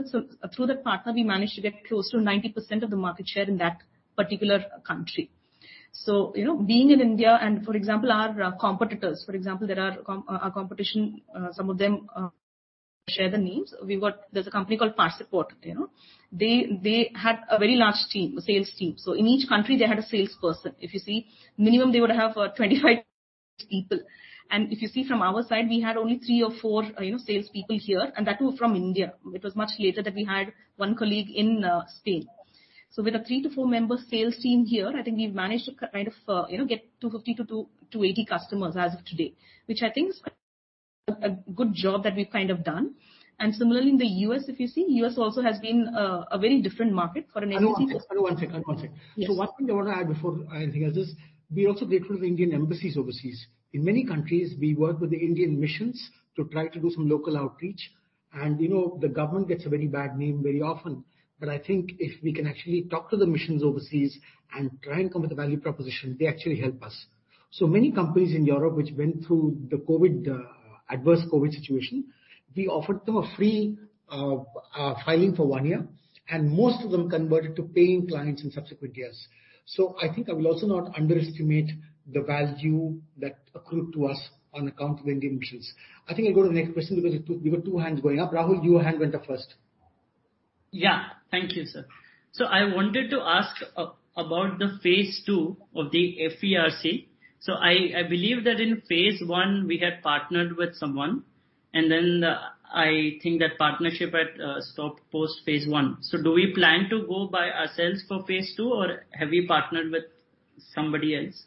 the partner, we managed to get close to 90% of the market share in that particular country. You know, being in India, our competition, some of them share the names. There's a company called ParsePort, you know. They had a very large team, a sales team. In each country they had a salesperson. If you see minimum, they would have 25 people. If you see from our side, we had only 3 or 4, you know, salespeople here, and that too from India. It was much later that we had one colleague in Spain. With a 3-4 member sales team here, I think we've managed to kind of, you know, get 250-280 customers as of today, which I think is a good job that we've kind of done. Similarly, in the U.S., if you see, U.S. also has been a very different market for. Anu, one sec. Yes. One thing I want to add before anything else is we are also grateful to the Indian embassies overseas. In many countries, we work with the Indian missions to try to do some local outreach. You know, the government gets a very bad name very often. I think if we can actually talk to the missions overseas and try and come with a value proposition, they actually help us. Many companies in Europe which went through the COVID adverse COVID situation, we offered them a free filing for one year, and most of them converted to paying clients in subsequent years. I think I will also not underestimate the value that accrued to us on account of Indian missions. I think I'll go to the next question because you got two hands going up. Rahul, your hand went up first. Yeah. Thank you, sir. I wanted to ask about the phase 2 of the FERC. I believe that in phase 1 we had partnered with someone, and then I think that partnership had stopped post phase 1. Do we plan to go by ourselves for phase 2, or have we partnered with somebody else?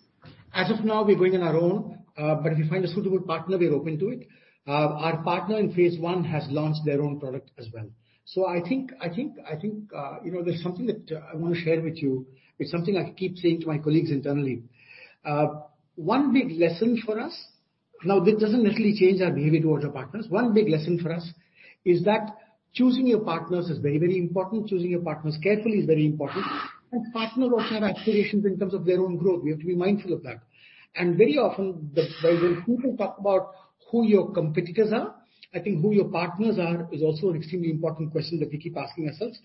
As of now, we're going on our own. If we find a suitable partner, we are open to it. Our partner in phase one has launched their own product as well. I think, you know, there's something that I wanna share with you. It's something I keep saying to my colleagues internally. One big lesson for us. Now, this doesn't necessarily change our behavior towards our partners. One big lesson for us is that choosing your partners is very, very important. Choosing your partners carefully is very important. Partners also have aspirations in terms of their own growth. We have to be mindful of that. Very often the. When people talk about who your competitors are, I think who your partners are is also an extremely important question that we keep asking ourselves.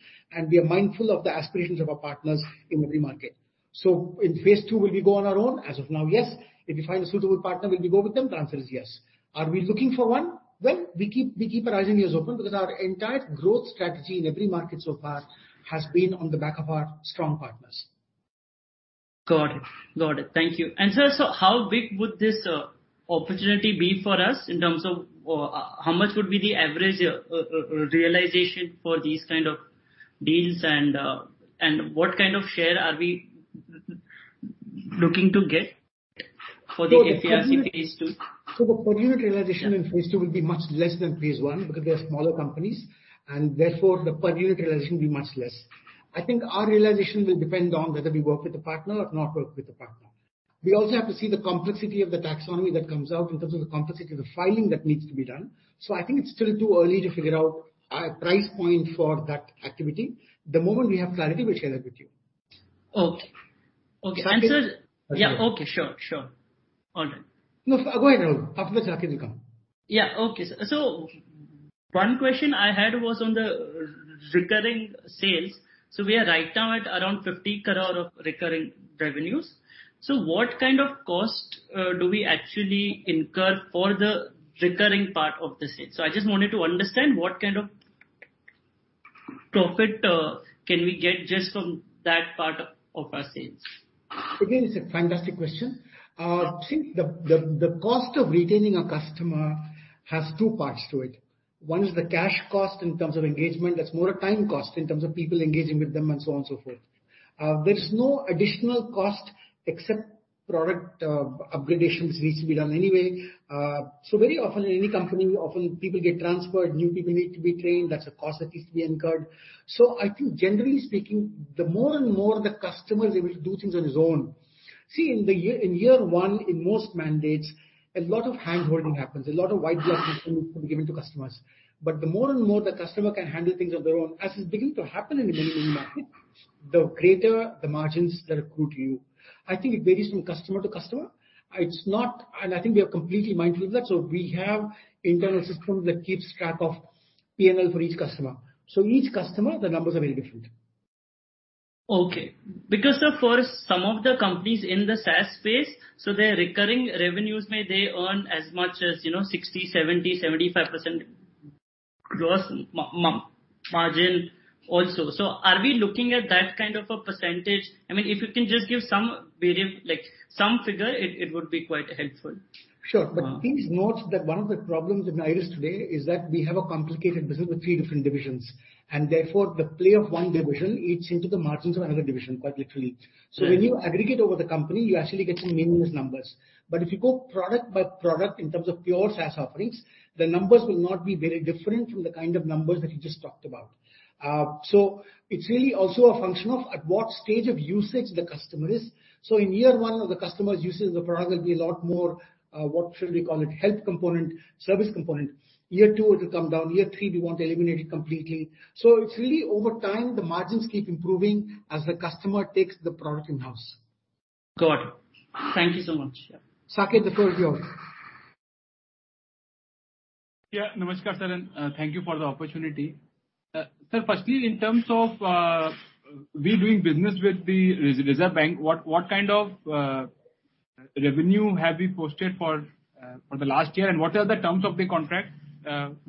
We are mindful of the aspirations of our partners in every market. In phase two, will we go on our own? As of now, yes. If we find a suitable partner, will we go with them? The answer is yes. Are we looking for one? We keep our eyes and ears open because our entire growth strategy in every market so far has been on the back of our strong partners. Got it. Got it. Thank you. Sir, how big would this opportunity be for us in terms of, or how much would be the average realization for these kind of deals and what kind of share are we looking to get for the FERC phase 2? The per unit realization in phase 2 will be much less than phase 1 because they are smaller companies and therefore the per unit realization will be much less. I think our realization will depend on whether we work with a partner or not work with a partner. We also have to see the complexity of the taxonomy that comes out in terms of the complexity of the filing that needs to be done. I think it's still too early to figure out our price point for that activity. The moment we have clarity, we'll share that with you. Okay. Okay. Okay. Yeah. Okay. Sure, sure. All right. No, go ahead, Rahul. Afterwards, Saket will come. Yeah. Okay, sir. One question I had was on the recurring sales. We are right now at around 50 crore of recurring revenues. What kind of cost do we actually incur for the recurring part of the sales? I just wanted to understand what kind of profit can we get just from that part of our sales? Again, it's a fantastic question. See, the cost of retaining a customer has two parts to it. One is the cash cost in terms of engagement. That's more a time cost in terms of people engaging with them and so on and so forth. There is no additional cost except product upgradations which needs to be done anyway. Very often in any company, often people get transferred, new people need to be trained. That's a cost that needs to be incurred. I think generally speaking, the more and more the customer is able to do things on his own. In year 1, in most mandates, a lot of hand-holding happens. A lot of wheel just need to be given to customers. The more the customer can handle things on their own, as is beginning to happen in many, many markets, the greater the margins that accrue to you. I think it varies from customer to customer. I think we are completely mindful of that, so we have internal systems that keeps track of P&L for each customer. Each customer, the numbers are very different. Okay. Because sir, for some of the companies in the SaaS space, so their recurring revenues may they earn as much as, you know, 60, 70, 75% gross margin also. Are we looking at that kind of a percentage? I mean, if you can just give some like some figure it would be quite helpful. Sure. Uh. Please note that one of the problems in IRIS today is that we have a complicated business with three different divisions, and therefore the play of one division eats into the margins of another division, quite literally. Sure. When you aggregate over the company, you actually get some meaningless numbers. If you go product by product in terms of pure SaaS offerings, the numbers will not be very different from the kind of numbers that you just talked about. It's really also a function of at what stage of usage the customer is. In year one of the customer's usage of the product will be a lot more, what should we call it, health component, service component. Year two, it'll come down. Year three, we want to eliminate it completely. It's really over time, the margins keep improving as the customer takes the product in-house. Got it. Thank you so much. Yeah. Saket, the floor is yours. Yeah. Namaskar, sir, and thank you for the opportunity. Sir, firstly in terms of, we doing business with the Reserve Bank, what kind of revenue have we posted for the last year, and what are the terms of the contract,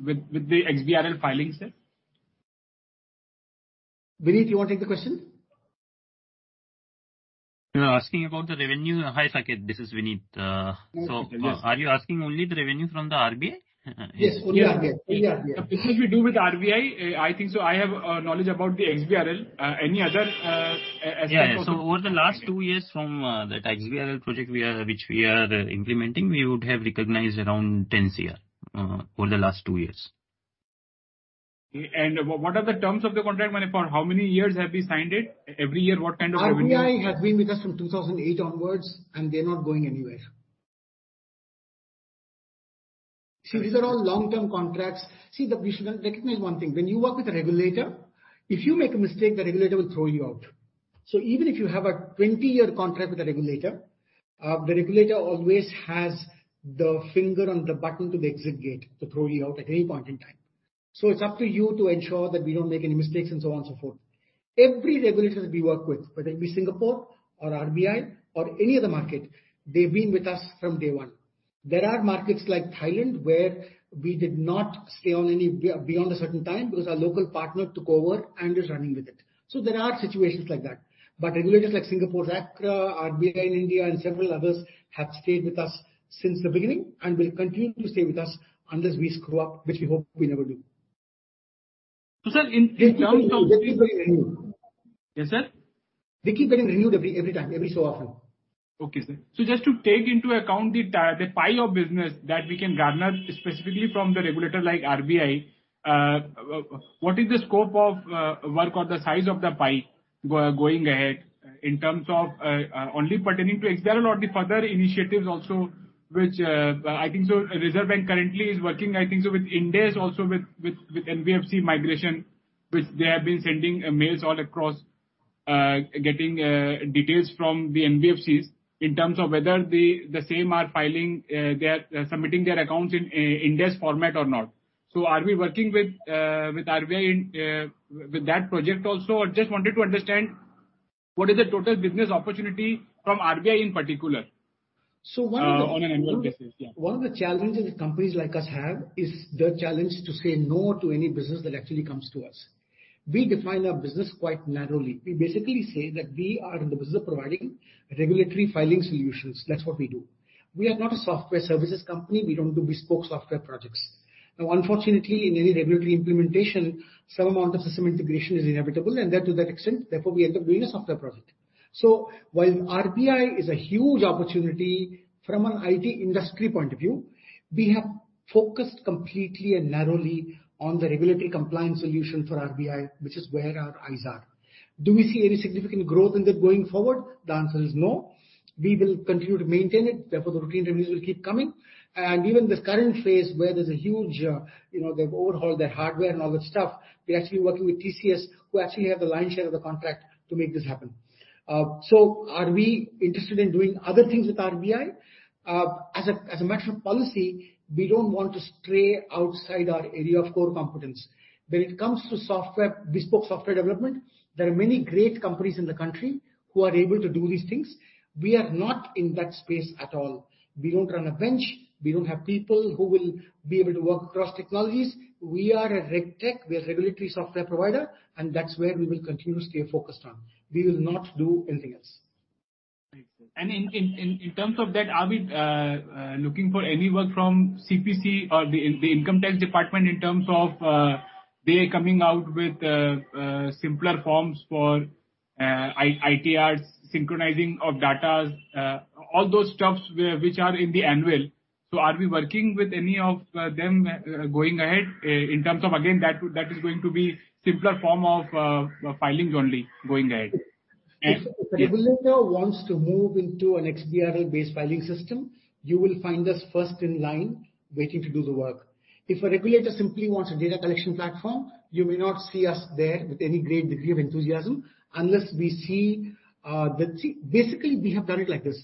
with the XBRL filing, sir? Vineet, you wanna take the question? You're asking about the revenue? Hi, Saket, this is Vineet. Yes. Are you asking only the revenue from the RBI? Yes, only RBI. Only RBI. We do with RBI, I think so I have knowledge about the XBRL. Any other aspect of it. Over the last two years from that XBRL project which we are implementing, we would have recognized around 10 crore over the last two years. What are the terms of the contract? I mean, for how many years have we signed it? Every year what kind of revenue-. RBI has been with us from 2008 onwards, and they're not going anywhere. These are all long-term contracts. We shouldn't recognize 1 thing. When you work with a regulator, if you make a mistake, the regulator will throw you out. Even if you have a 20-year contract with a regulator, the regulator always has the finger on the button to the exit gate to throw you out at any point in time. It's up to you to ensure that we don't make any mistakes and so on and so forth. Every regulator we work with, whether it be Singapore or RBI or any other market, they've been with us from day 1. There are markets like Thailand, where we did not stay on any beyond a certain time because our local partner took over and is running with it. There are situations like that. Regulators like Singapore's ACRA, RBI in India, and several others have stayed with us since the beginning and will continue to stay with us unless we screw up, which we hope we never do. Sir. They keep getting renewed. Yes, sir? They keep getting renewed every time, every so often. Okay, sir. Just to take into account the pie of business that we can garner specifically from the regulator like RBI, what is the scope of work or the size of the pie going ahead in terms of only pertaining to XBRL or the further initiatives also, which I think so Reserve Bank currently is working, I think so with Ind AS also with NBFC migration. Which they have been sending emails all across getting details from the NBFCs in terms of whether the same are filing submitting their accounts in Ind AS format or not. Are we working with RBI in with that project also? I just wanted to understand what is the total business opportunity from RBI in particular. one of the- On an annual basis, yeah. One of the challenges companies like us have is the challenge to say no to any business that actually comes to us. We define our business quite narrowly. We basically say that we are in the business of providing regulatory filing solutions. That's what we do. We are not a software services company. We don't do bespoke software projects. Now, unfortunately, in any regulatory implementation, some amount of system integration is inevitable, and that to that extent, therefore, we end up doing a software project. While RBI is a huge opportunity from an IT industry point of view, we have focused completely and narrowly on the regulatory compliance solution for RBI, which is where our eyes are. Do we see any significant growth in that going forward? The answer is no. We will continue to maintain it. Therefore, the routine reviews will keep coming. Even this current phase where there's a huge, you know, they've overhauled their hardware and all that stuff, we're actually working with TCS, who actually have the lion's share of the contract to make this happen. Are we interested in doing other things with RBI? As a matter of policy, we don't want to stray outside our area of core competence. When it comes to software, bespoke software development, there are many great companies in the country who are able to do these things. We are not in that space at all. We don't run a bench. We don't have people who will be able to work across technologies. We are a RegTech. We're a regulatory software provider, and that's where we will continue to stay focused on. We will not do anything else. Thanks, sir. In terms of that, are we looking for any work from CPC or the Income Tax Department in terms of they coming out with simpler forms for ITRs, synchronizing of datas, all those stuffs which are in the annual? Are we working with any of them going ahead in terms of again, that is going to be simpler form of filings only going ahead? If a regulator wants to move into an XBRL-based filing system, you will find us first in line waiting to do the work. If a regulator simply wants a data collection platform, you may not see us there with any great degree of enthusiasm unless we see, basically, we have done it like this.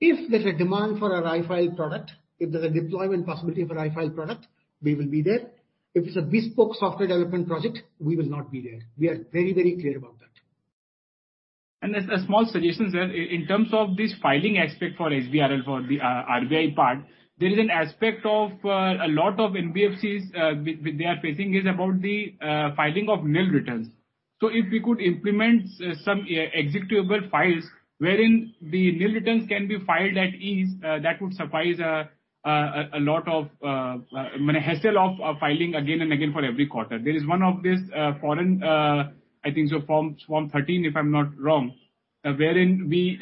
If there's a demand for an IRIS iFile product, if there's a deployment possibility for an IRIS iFile product, we will be there. If it's a bespoke software development project, we will not be there. We are very, very clear about that. A small suggestion, sir. In terms of this filing aspect for XBRL for the RBI part, there is an aspect of a lot of NBFCs they are facing is about the filing of nil returns. If we could implement some executable files wherein the nil returns can be filed at ease, that would suffice a lot of hassle of filing again and again for every quarter. There is one of these foreign, I think so forms, Form 13, if I'm not wrong, wherein we,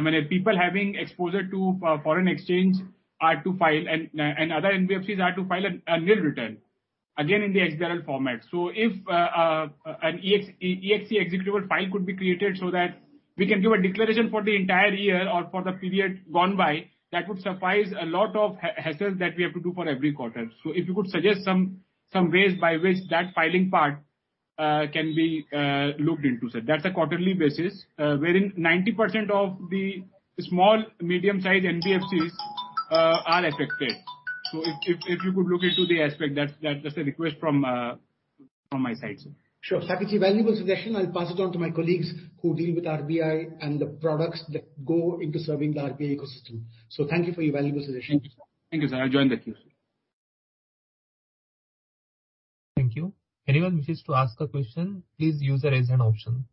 many people having exposure to foreign exchange are to file and other NBFCs are to file a nil return again in the XBRL format. If an executable file could be created so that we can do a declaration for the entire year or for the period gone by, that would suffice a lot of hassles that we have to do for every quarter. If you could suggest some ways by which that filing part can be looked into, sir. That's a quarterly basis, wherein 90% of the small, medium-sized NBFCs are affected. If you could look into the aspect, that's a request from my side, sir. Sure. Thank you. Valuable suggestion. I'll pass it on to my colleagues who deal with RBI and the products that go into serving the RBI ecosystem. Thank you for your valuable suggestion. Thank you, sir. I'll join the queue. Thank you. Anyone wishes to ask a question, please use the raise hand option.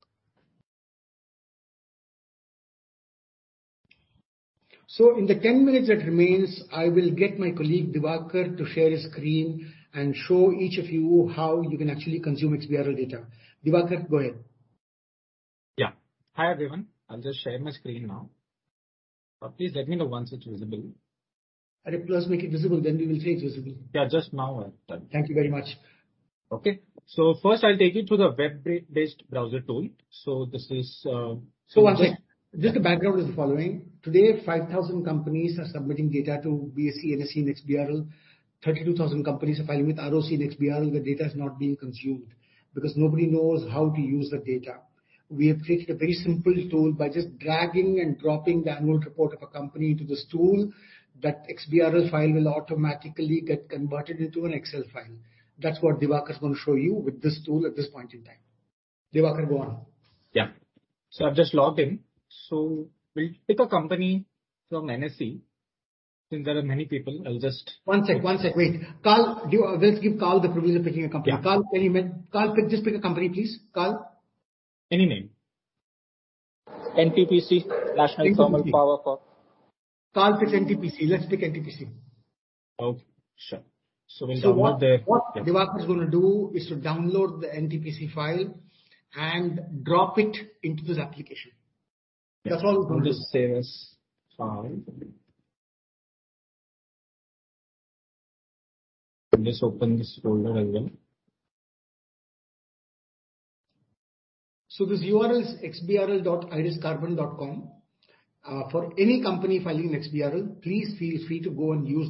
In the 10 minutes that remains, I will get my colleague, Diwakar, to share his screen and show each of you how you can actually consume XBRL data. Diwakar, go ahead. Yeah. Hi, everyone. I'll just share my screen now. Please let me know once it's visible. It does make it visible, then we will say it's visible. Yeah, just now I've done. Thank you very much. Okay. First I'll take you to the web-based browser tool. This is. One sec. Just the background is the following. Today, 5,000 companies are submitting data to BSE, NSE and XBRL. 32,000 companies are filing with ROC and XBRL, the data is not being consumed because nobody knows how to use the data. We have created a very simple tool by just dragging and dropping the annual report of a company to this tool. That XBRL file will automatically get converted into an Excel file. That's what Diwakar is gonna show you with this tool at this point in time. Diwakar, go on. Yeah. I've just logged in. We'll pick a company from NSE. Since there are many people, I'll. One sec. Wait. Karl, Let's give Karl the privilege of picking a company. Yeah. Karl, can you Karl pick, just pick a company, please. Karl? Any name. NTPC. National Thermal Power Corp. Karl picked NTPC. Let's pick NTPC. Okay. Sure. We'll download. What Diwakar is gonna do is to download the NTPC file and drop it into this application. That's all. I'll just save as file. Let me just open this folder again. This URL is xbrl.iriscarbon.com. For any company filing XBRL, please feel free to go and use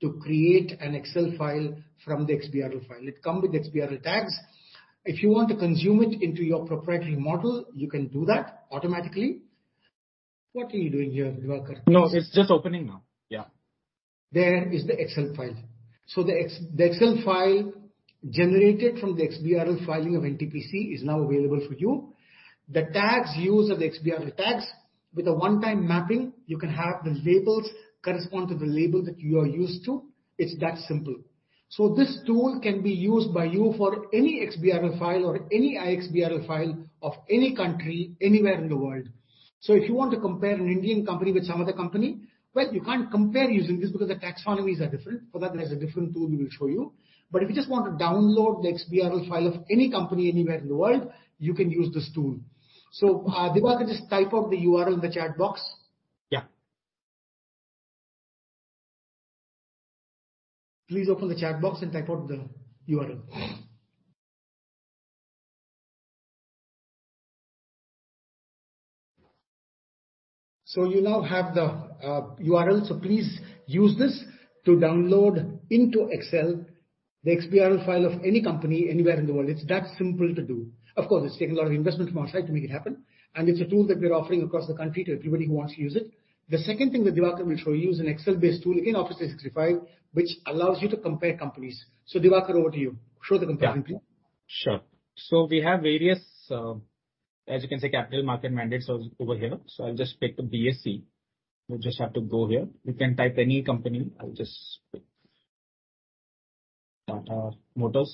this to create an Excel file from the XBRL file. It come with XBRL tags. If you want to consume it into your proprietary model, you can do that automatically. What are you doing here, Diwakar? No, it's just opening now. Yeah. There is the Excel file. The Excel file generated from the XBRL filing of NTPC is now available for you. The tags used are the XBRL tags. With a one-time mapping, you can have the labels correspond to the label that you are used to. It's that simple. This tool can be used by you for any XBRL file or any iXBRL file of any country, anywhere in the world. If you want to compare an Indian company with some other company, well, you can't compare using this because the taxonomies are different. For that, there's a different tool we will show you. If you just want to download the XBRL file of any company anywhere in the world, you can use this tool. Diwakar, just type out the URL in the chat box. Yeah. Please open the chat box and type out the URL. You now have the URL, so please use this to download into Excel the XBRL file of any company anywhere in the world. It's that simple to do. Of course, it's taken a lot of investment from our side to make it happen, and it's a tool that we're offering across the country to everybody who wants to use it. The second thing that Diwakar will show you is an Excel-based tool in Office 365, which allows you to compare companies. Diwakar, over to you. Show the comparison, please. Yeah. Sure. We have various, as you can say, capital market mandates over here. I'll just pick the BSE. We'll just have to go here. You can type any company. I'll just pick Tata Motors.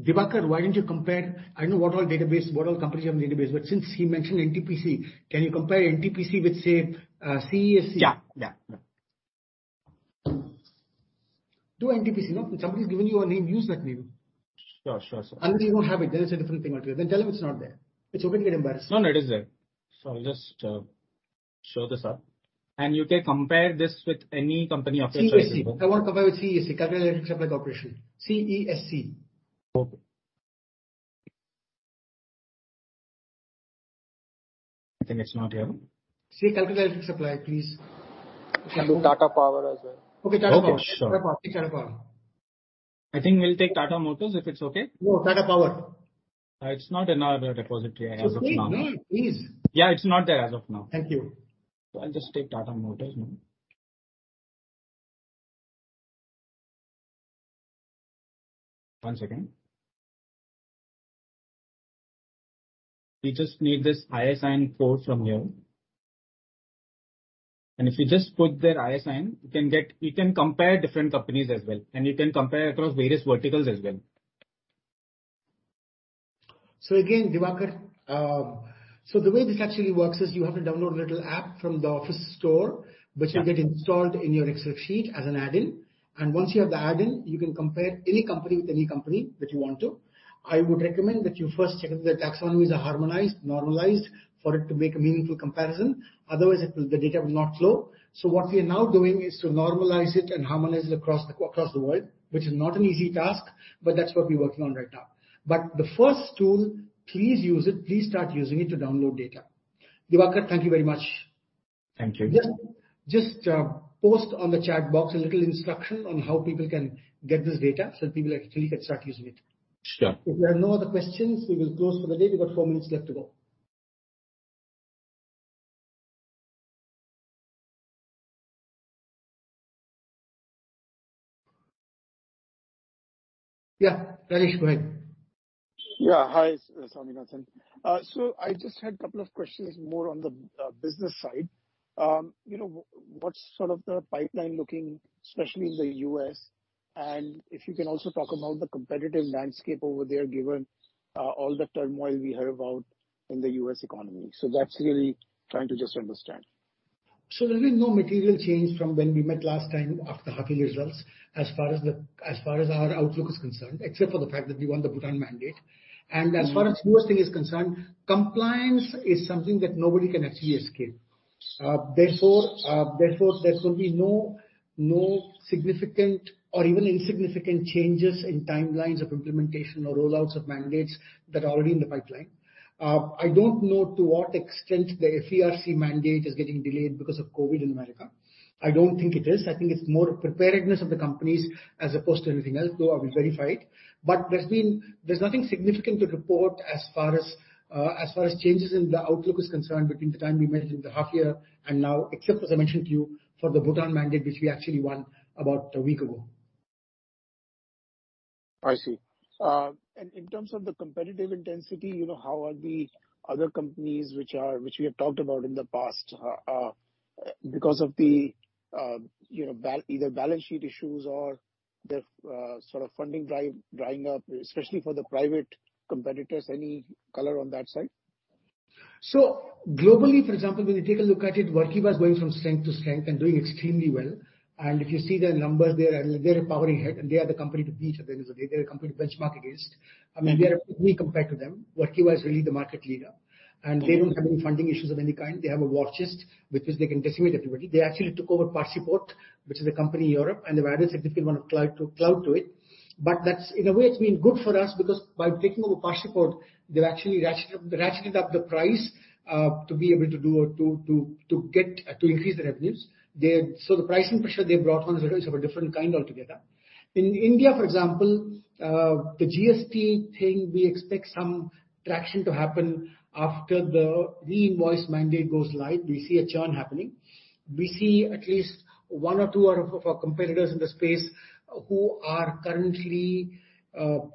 Diwakar, why don't you compare... I know what all database, what all companies you have in the database, but since he mentioned NTPC, can you compare NTPC with, say, CESC? Yeah. Yeah. Yeah. Do NTPC, no? If somebody's given you a name, use that name. Sure, sure, sir. If you don't have it, then it's a different thing altogether. Tell him it's not there. It's okay to get embarrassed. No, no, it is there. I'll just show this up. You can compare this with any company of your choice. CESC. I want to compare with CESC, Calcutta Electric Supply Corporation. C-E-S-C. Okay. I think it's not here. Say Calcutta Electric Supply, please. Tata Power as well. Okay, Tata Power. Okay, sure. Tata Power. Pick Tata Power. I think we'll take Tata Motors, if it's okay. No, Tata Power. it's not in our repository as of now. Please name, please. Yeah, it's not there as of now. Thank you. I'll just take Tata Motors now. One second. We just need this ISIN code from here. If you just put their ISIN, you can compare different companies as well, and you can compare across various verticals as well. Again, Diwakar, so the way this actually works is you have to download a little app from the Office Store. Yeah. -which will get installed in your Excel sheet as an add-in. Once you have the add-in, you can compare any company with any company that you want to. I would recommend that you first check if the taxonomies are harmonized, normalized for it to make a meaningful comparison. Otherwise, the data will not flow. What we are now doing is to normalize it and harmonize it across the world, which is not an easy task, That's what we're working on right now. The first tool, please use it. Please start using it to download data. Diwakar, thank you very much. Thank you. Just post on the chat box a little instruction on how people can get this data so that people actually can start using it. Sure. If there are no other questions, we will close for the day. We've got four minutes left to go. Yeah, Harish, go ahead. Yeah. Hi, S. Swaminathan. I just had a couple of questions more on the business side. You know, what's sort of the pipeline looking especially in the U.S., and if you can also talk about the competitive landscape over there, given all the turmoil we heard about in the U.S. economy. That's really trying to just understand. There'll be no material change from when we met last time after the half-year results as far as our outlook is concerned, except for the fact that we won the Bhutan mandate. Mm-hmm. As far as U.S. thing is concerned, compliance is something that nobody can actually escape. Therefore, therefore there's gonna be no significant or even insignificant changes in timelines of implementation or rollouts of mandates that are already in the pipeline. I don't know to what extent the FERC mandate is getting delayed because of COVID in America. I don't think it is. I think it's more preparedness of the companies as opposed to anything else. Though I will verify it. There's nothing significant to report as far as changes in the outlook is concerned between the time we met in the half year and now, except as I mentioned to you, for the Bhutan mandate, which we actually won about a week ago. I see. In terms of the competitive intensity, you know, how are the other companies which are, which we have talked about in the past, because of the, you know, either balance sheet issues or the sort of funding drying up, especially for the private competitors. Any color on that side? Globally, for example, when you take a look at it, Workiva is going from strength to strength and doing extremely well. If you see their numbers, they're a towering head and they are the company to beat at the end of the day. They're a company to benchmark against. I mean, we are tiny compared to them. Workiva is really the market leader, and they don't have any funding issues of any kind. They have a war chest with which they can decimate everybody. They actually took over ParsePort, which is a company in Europe, and they've added a significant amount of cloud to it. That's, in a way, it's been good for us because by taking over ParsePort, they've actually ratcheted up the price to be able to do or to get to increase their revenues. The pricing pressure they brought on is of a different kind altogether. In India, for example, the GST thing, we expect some traction to happen after the e-invoice mandate goes live. We see a churn happening. We see at least one or two of our competitors in the space who are currently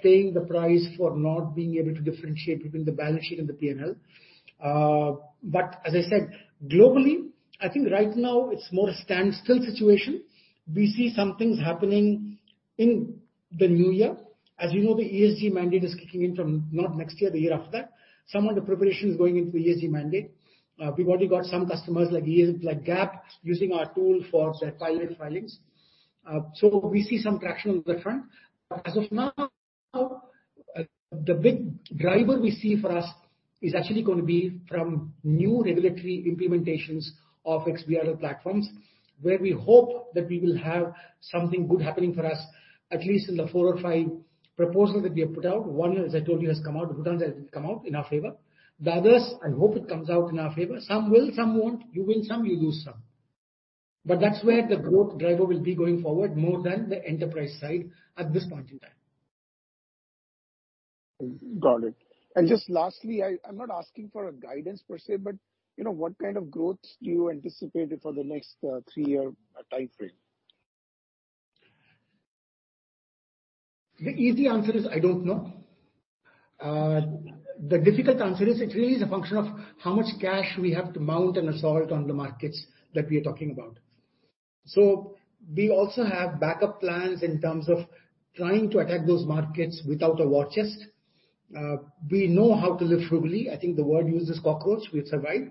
paying the price for not being able to differentiate between the balance sheet and the P&L. As I said, globally, I think right now it's more a standstill situation. We see some things happening in the new year. As you know, the ESG mandate is kicking in from not next year, the year after. Some of the preparation is going into the ESG mandate. We've already got some customers like Gap using our tool for their filings. We see some traction on that front. As of now, the big driver we see for us is actually gonna be from new regulatory implementations of XBRL platforms, where we hope that we will have something good happening for us, at least in the four or five proposals that we have put out. One, as I told you, has come out. Bhutan has come out in our favor. The others, I hope it comes out in our favor. Some will, some won't. You win some, you lose some. That's where the growth driver will be going forward more than the enterprise side at this point in time. Got it. Just lastly, I'm not asking for a guidance per se, but you know, what kind of growth do you anticipate for the next three-year timeframe? The easy answer is I don't know. The difficult answer is it really is a function of how much cash we have to mount an assault on the markets that we are talking about. We also have backup plans in terms of trying to attack those markets without a war chest. We know how to live frugally. I think the word used is cockroach. We survive.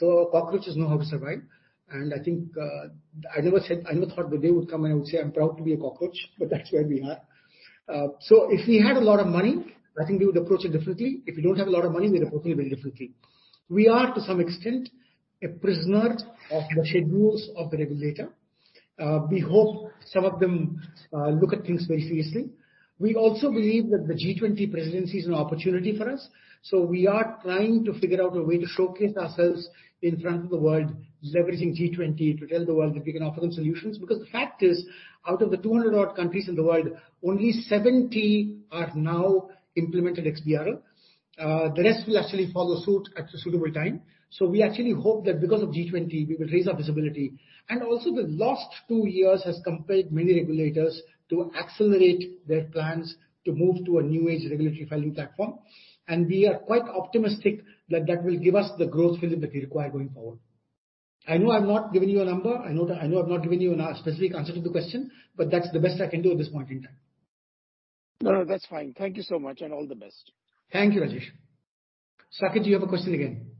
Cockroaches know how to survive. I think, I never thought the day would come and I would say I'm proud to be a cockroach, but that's where we are. If we had a lot of money, I think we would approach it differently. If we don't have a lot of money, we'd approach it very differently. We are, to some extent, a prisoner of the schedules of the regulator. We hope some of them look at things very seriously. We also believe that the G20 presidency is an opportunity for us, so we are trying to figure out a way to showcase ourselves in front of the world, leveraging G20 to tell the world that we can offer them solutions. Because the fact is, out of the 200 odd countries in the world, only 70 have now implemented XBRL. The rest will actually follow suit at a suitable time. We actually hope that because of G20 we will raise our visibility. Also, the last two years has compelled many regulators to accelerate their plans to move to a new age regulatory filing platform. We are quite optimistic that that will give us the growth rhythm that we require going forward. I know I've not given you a number. I know, I know I've not given you a specific answer to the question, but that's the best I can do at this point in time. No, no, that's fine. Thank you so much and all the best. Thank you, Rajesh. Saket, do you have a question again?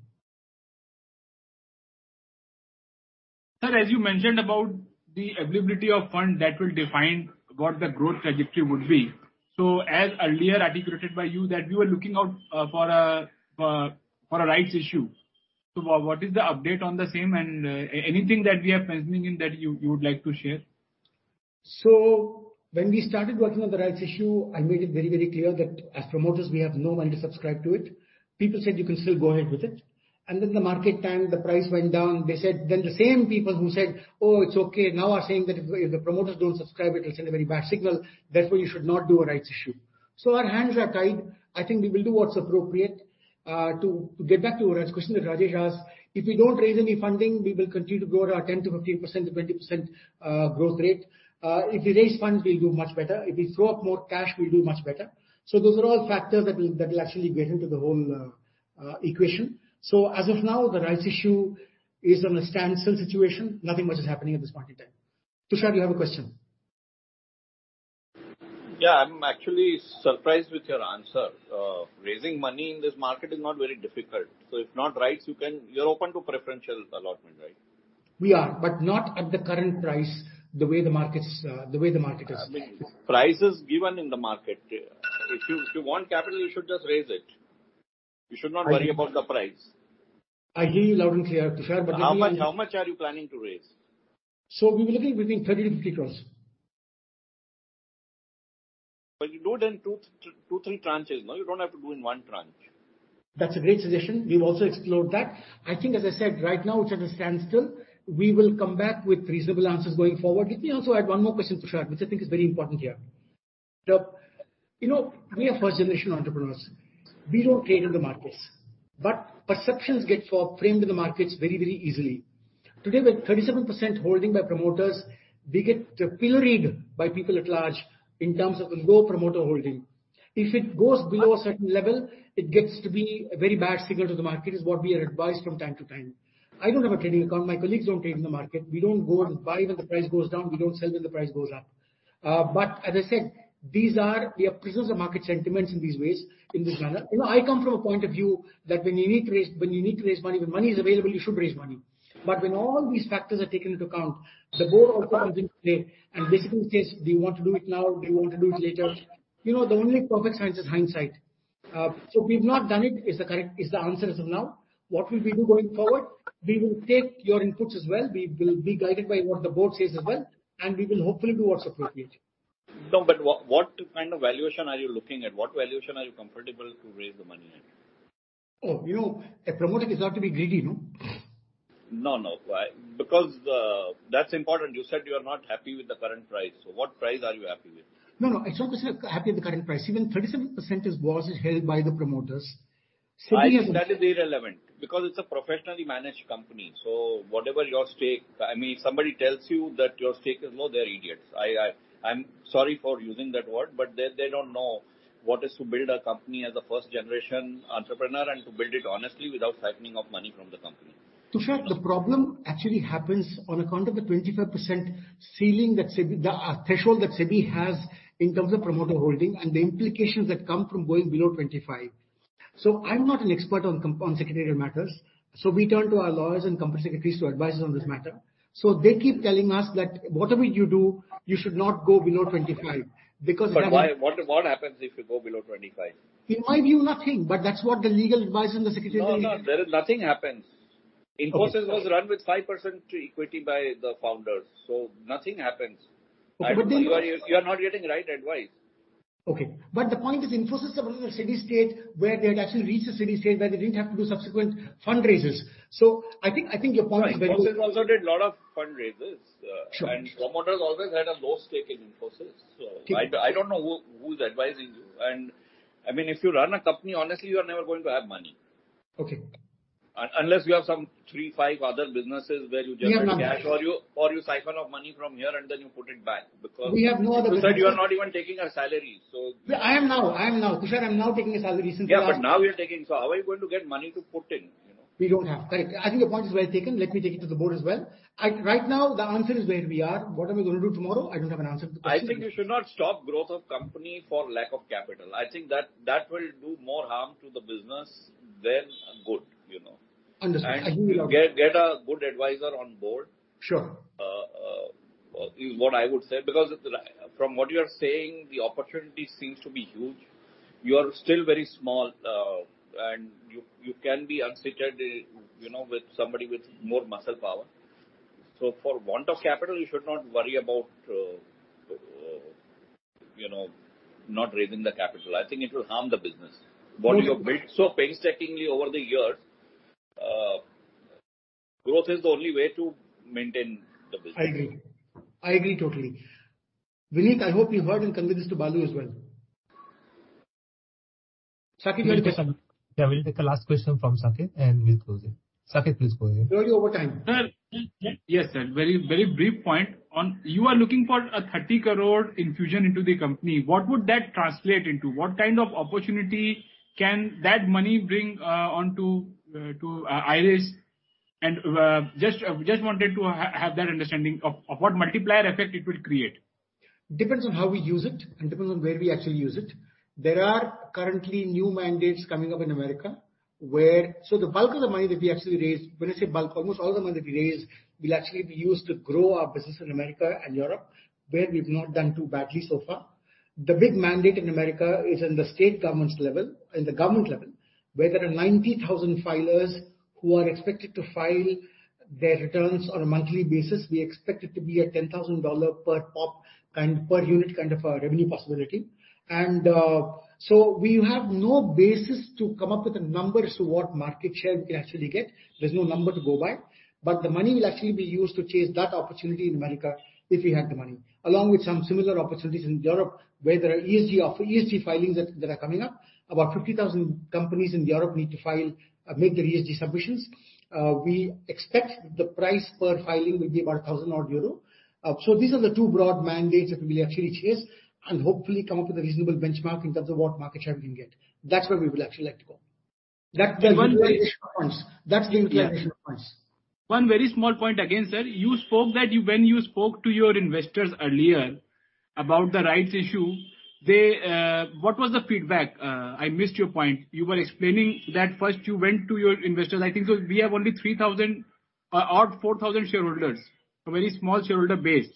Sir, as you mentioned about the availability of fund that will define what the growth trajectory would be. As earlier articulated by you, that you are looking out for a rights issue. What is the update on the same and anything that we are missing in that you would like to share? When we started working on the rights issue, I made it very, very clear that as promoters we have no money to subscribe to it. People said you can still go ahead with it. Then the market tanked, the price went down. Then the same people who said, "Oh, it's okay," now are saying that if the promoters don't subscribe it'll send a very bad signal, therefore you should not do a rights issue. Our hands are tied. I think we will do what's appropriate. To get back to your last question that Rajesh asked, if we don't raise any funding, we will continue to grow at our 10% to 15% to 20% growth rate. If we raise funds, we'll do much better. If we throw up more cash, we'll do much better. Those are all factors that will actually weigh into the whole equation. As of now, the rights issue is on a standstill situation. Nothing much is happening at this point in time. Tushar, do you have a question? Yeah, I'm actually surprised with your answer. Raising money in this market is not very difficult. If not rights, you're open to preferential allotment, right? We are, but not at the current price, the way the markets, the way the market is. Price is given in the market. If you want capital, you should just raise it. You should not worry about the price. I hear you loud and clear, Tushar. How much are you planning to raise? We were looking within INR 30-50 crores. You do it in two, three tranches, no? You don't have to do in 1 tranche. That's a great suggestion. We've also explored that. I think, as I said, right now it's at a standstill. We will come back with reasonable answers going forward. Let me also add one more question, Tushar, which I think is very important here. You know, we are first generation entrepreneurs. We don't trade in the markets, but perceptions get for framed in the markets very, very easily. Today, with 37% holding by promoters, we get pilloried by people at large in terms of the low promoter holding. If it goes below a certain level, it gets to be a very bad signal to the market, is what we are advised from time to time. I don't have a trading account. My colleagues don't trade in the market. We don't go and buy when the price goes down. We don't sell when the price goes up. As I said, these are... we are prisoners of market sentiments in these ways, in this manner. You know, I come from a point of view that when you need to raise money, when money is available, you should raise money. When all these factors are taken into account, the board also comes into play and basically says, "Do you want to do it now? Do you want to do it later?" You know, the only perfect science is hindsight. We've not done it, is the current, is the answer as of now. What will we do going forward? We will take your inputs as well. We will be guided by what the board says as well, and we will hopefully do what's appropriate. No, what kind of valuation are you looking at? What valuation are you comfortable to raise the money at? Oh, you know, a promoter deserve to be greedy, no? No, no. Why? Because that's important. You said you are not happy with the current price. What price are you happy with? No, no. It's not the question of happy with the current price. Even 37% is held by the promoters. SEBI has. That is irrelevant because it's a professionally managed company. I mean, if somebody tells you that your stake is low, they're idiots. I'm sorry for using that word, but they don't know what is to build a company as a first generation entrepreneur and to build it honestly without siphoning off money from the company. Tushar, the problem actually happens on account of the 25% ceiling that SEBI, the threshold that SEBI has in terms of promoter holding and the implications that come from going below 25. I'm not an expert on secretarial matters, so we turn to our lawyers and company secretaries to advise us on this matter. They keep telling us that whatever you do, you should not go below 25 because. Why? What happens if you go below 25? In my view, nothing. That's what the legal advice and the secretary- No, no. There is nothing happens. Okay. Infosys was run with 5% equity by the founders. Nothing happens. But they- You are not getting right advice. Okay. The point is, Infosys was in a steady state, where they had actually reached a steady state, where they didn't have to do subsequent fundraisers. I think your point is very- No, Infosys also did lot of fundraisers. Sure. Promoters always had a low stake in Infosys. I don't know who's advising you. I mean, if you run a company, honestly, you are never going to have money. Okay. Unless you have some three, five other businesses where you generate cash. We have none. You siphon off money from here and then you put it back because- We have no other business. Tushar, you are not even taking your salary. Yeah. I am now. Tushar, I'm now taking a salary recently. Yeah, now you're taking. How are you going to get money to put in? You know. We don't have. I think your point is well taken. Let me take it to the board as well. Right now, the answer is where we are. What are we gonna do tomorrow? I don't have an answer at the present time. I think you should not stop growth of company for lack of capital. I think that will do more harm to the business than good, you know. Understood. I hear you loud and clear. Get a good advisor on board. Sure. is what I would say because from what you are saying, the opportunity seems to be huge. You are still very small, and you can be uncharted, you know, with somebody with more muscle power. For want of capital, you should not worry about, you know, not raising the capital. I think it will harm the business. No, no. What you have built so painstakingly over the years, growth is the only way to maintain the business. I agree. I agree totally. Vineet, I hope you heard and convey this to Balu as well. Yeah. We'll take the last question from Saket, and we'll close it. Saket, please go ahead. We're already over time. Sir. Yes, sir. Very brief point on you are looking for a 30 crore infusion into the company. What would that translate into? What kind of opportunity can that money bring onto to IRIS? Just wanted to have that understanding of what multiplier effect it will create. Depends on how we use it and depends on where we actually use it. There are currently new mandates coming up in America. The bulk of the money that we actually raise, when I say bulk, almost all the money that we raise will actually be used to grow our business in America and Europe, where we've not done too badly so far. The big mandate in America is in the state governments level, in the government level, where there are 90,000 filers who are expected to file their returns on a monthly basis. We expect it to be a $10,000 per pop and per unit kind of a revenue possibility. We have no basis to come up with a number as to what market share we actually get. There's no number to go by. The money will actually be used to chase that opportunity in America if we have the money. Along with some similar opportunities in Europe, where there are ESG filings that are coming up. About 50,000 companies in Europe need to file, make their ESG submissions. We expect the price per filing will be about 1,000 euro odd. These are the two broad mandates that we will actually chase and hopefully come up with a reasonable benchmark in terms of what market share we can get. That's where we will actually like to go. One very- That's the inclination of points. One very small point again, sir. You spoke that when you spoke to your investors earlier about the rights issue, what was the feedback? I missed your point. You were explaining that first you went to your investors. I think so we have only 3,000 or 4,000 shareholders, a very small shareholder base.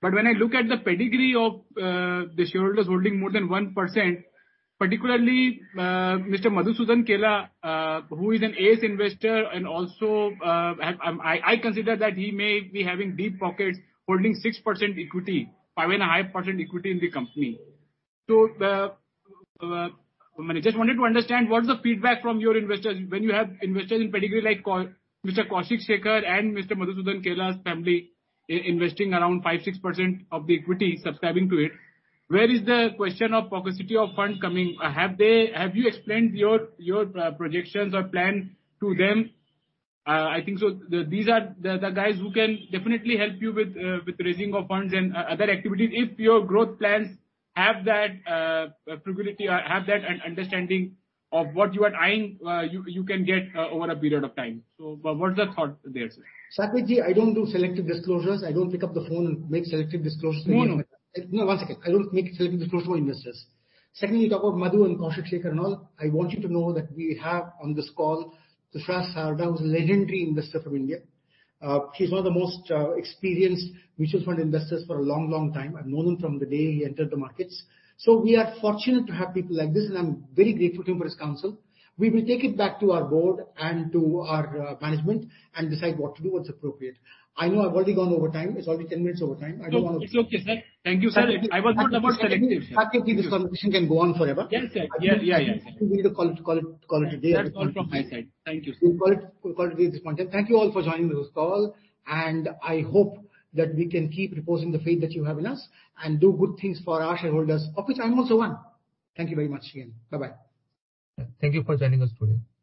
When I look at the pedigree of the shareholders holding more than 1%, particularly Mr. Madhusudan Kela, who is an ace investor and also, I consider that he may be having deep pockets holding 6% equity, 5.5% equity in the company. The, I just wanted to understand what is the feedback from your investors when you have investors in pedigree like Mr. Koushik Sekhar and Mr. Madhusudan Kela's family investing around 5%, 6% of the equity subscribing to it. Where is the question of paucity of funds coming? Have you explained your projections or plan to them? I think so these are the guys who can definitely help you with raising of funds and other activities. If your growth plans have that frugality or have that understanding of what you are eyeing, you can get over a period of time. What's the thought there, sir? Saketji, I don't do selective disclosures. I don't pick up the phone and make selective disclosures. No, no. No, one second. I don't make selective disclosure investors. Secondly, you talk about Madhu and Koushik Sekhar and all. I want you to know that we have on this call Suhas Sarda, who's a legendary investor from India. He's one of the most experienced mutual fund investors for a long, long time. I've known him from the day he entered the markets. We are fortunate to have people like this, and I'm very grateful to him for his counsel. We will take it back to our board and to our management and decide what to do, what's appropriate. I know I've already gone over time. It's already 10 minutes over time. It's okay, sir. Thank you, sir. I was not about selective. Saketji, this conversation can go on forever. Yes, sir. Yeah, yeah. I think we need to call it a day at this point in time. That's all from my side. Thank you, sir. We'll call it day at this point in time. Thank you all for joining this call. I hope that we can keep reposing the faith that you have in us and do good things for our shareholders. Of which I'm also one. Thank you very much again. Bye-bye. Thank you for joining us today.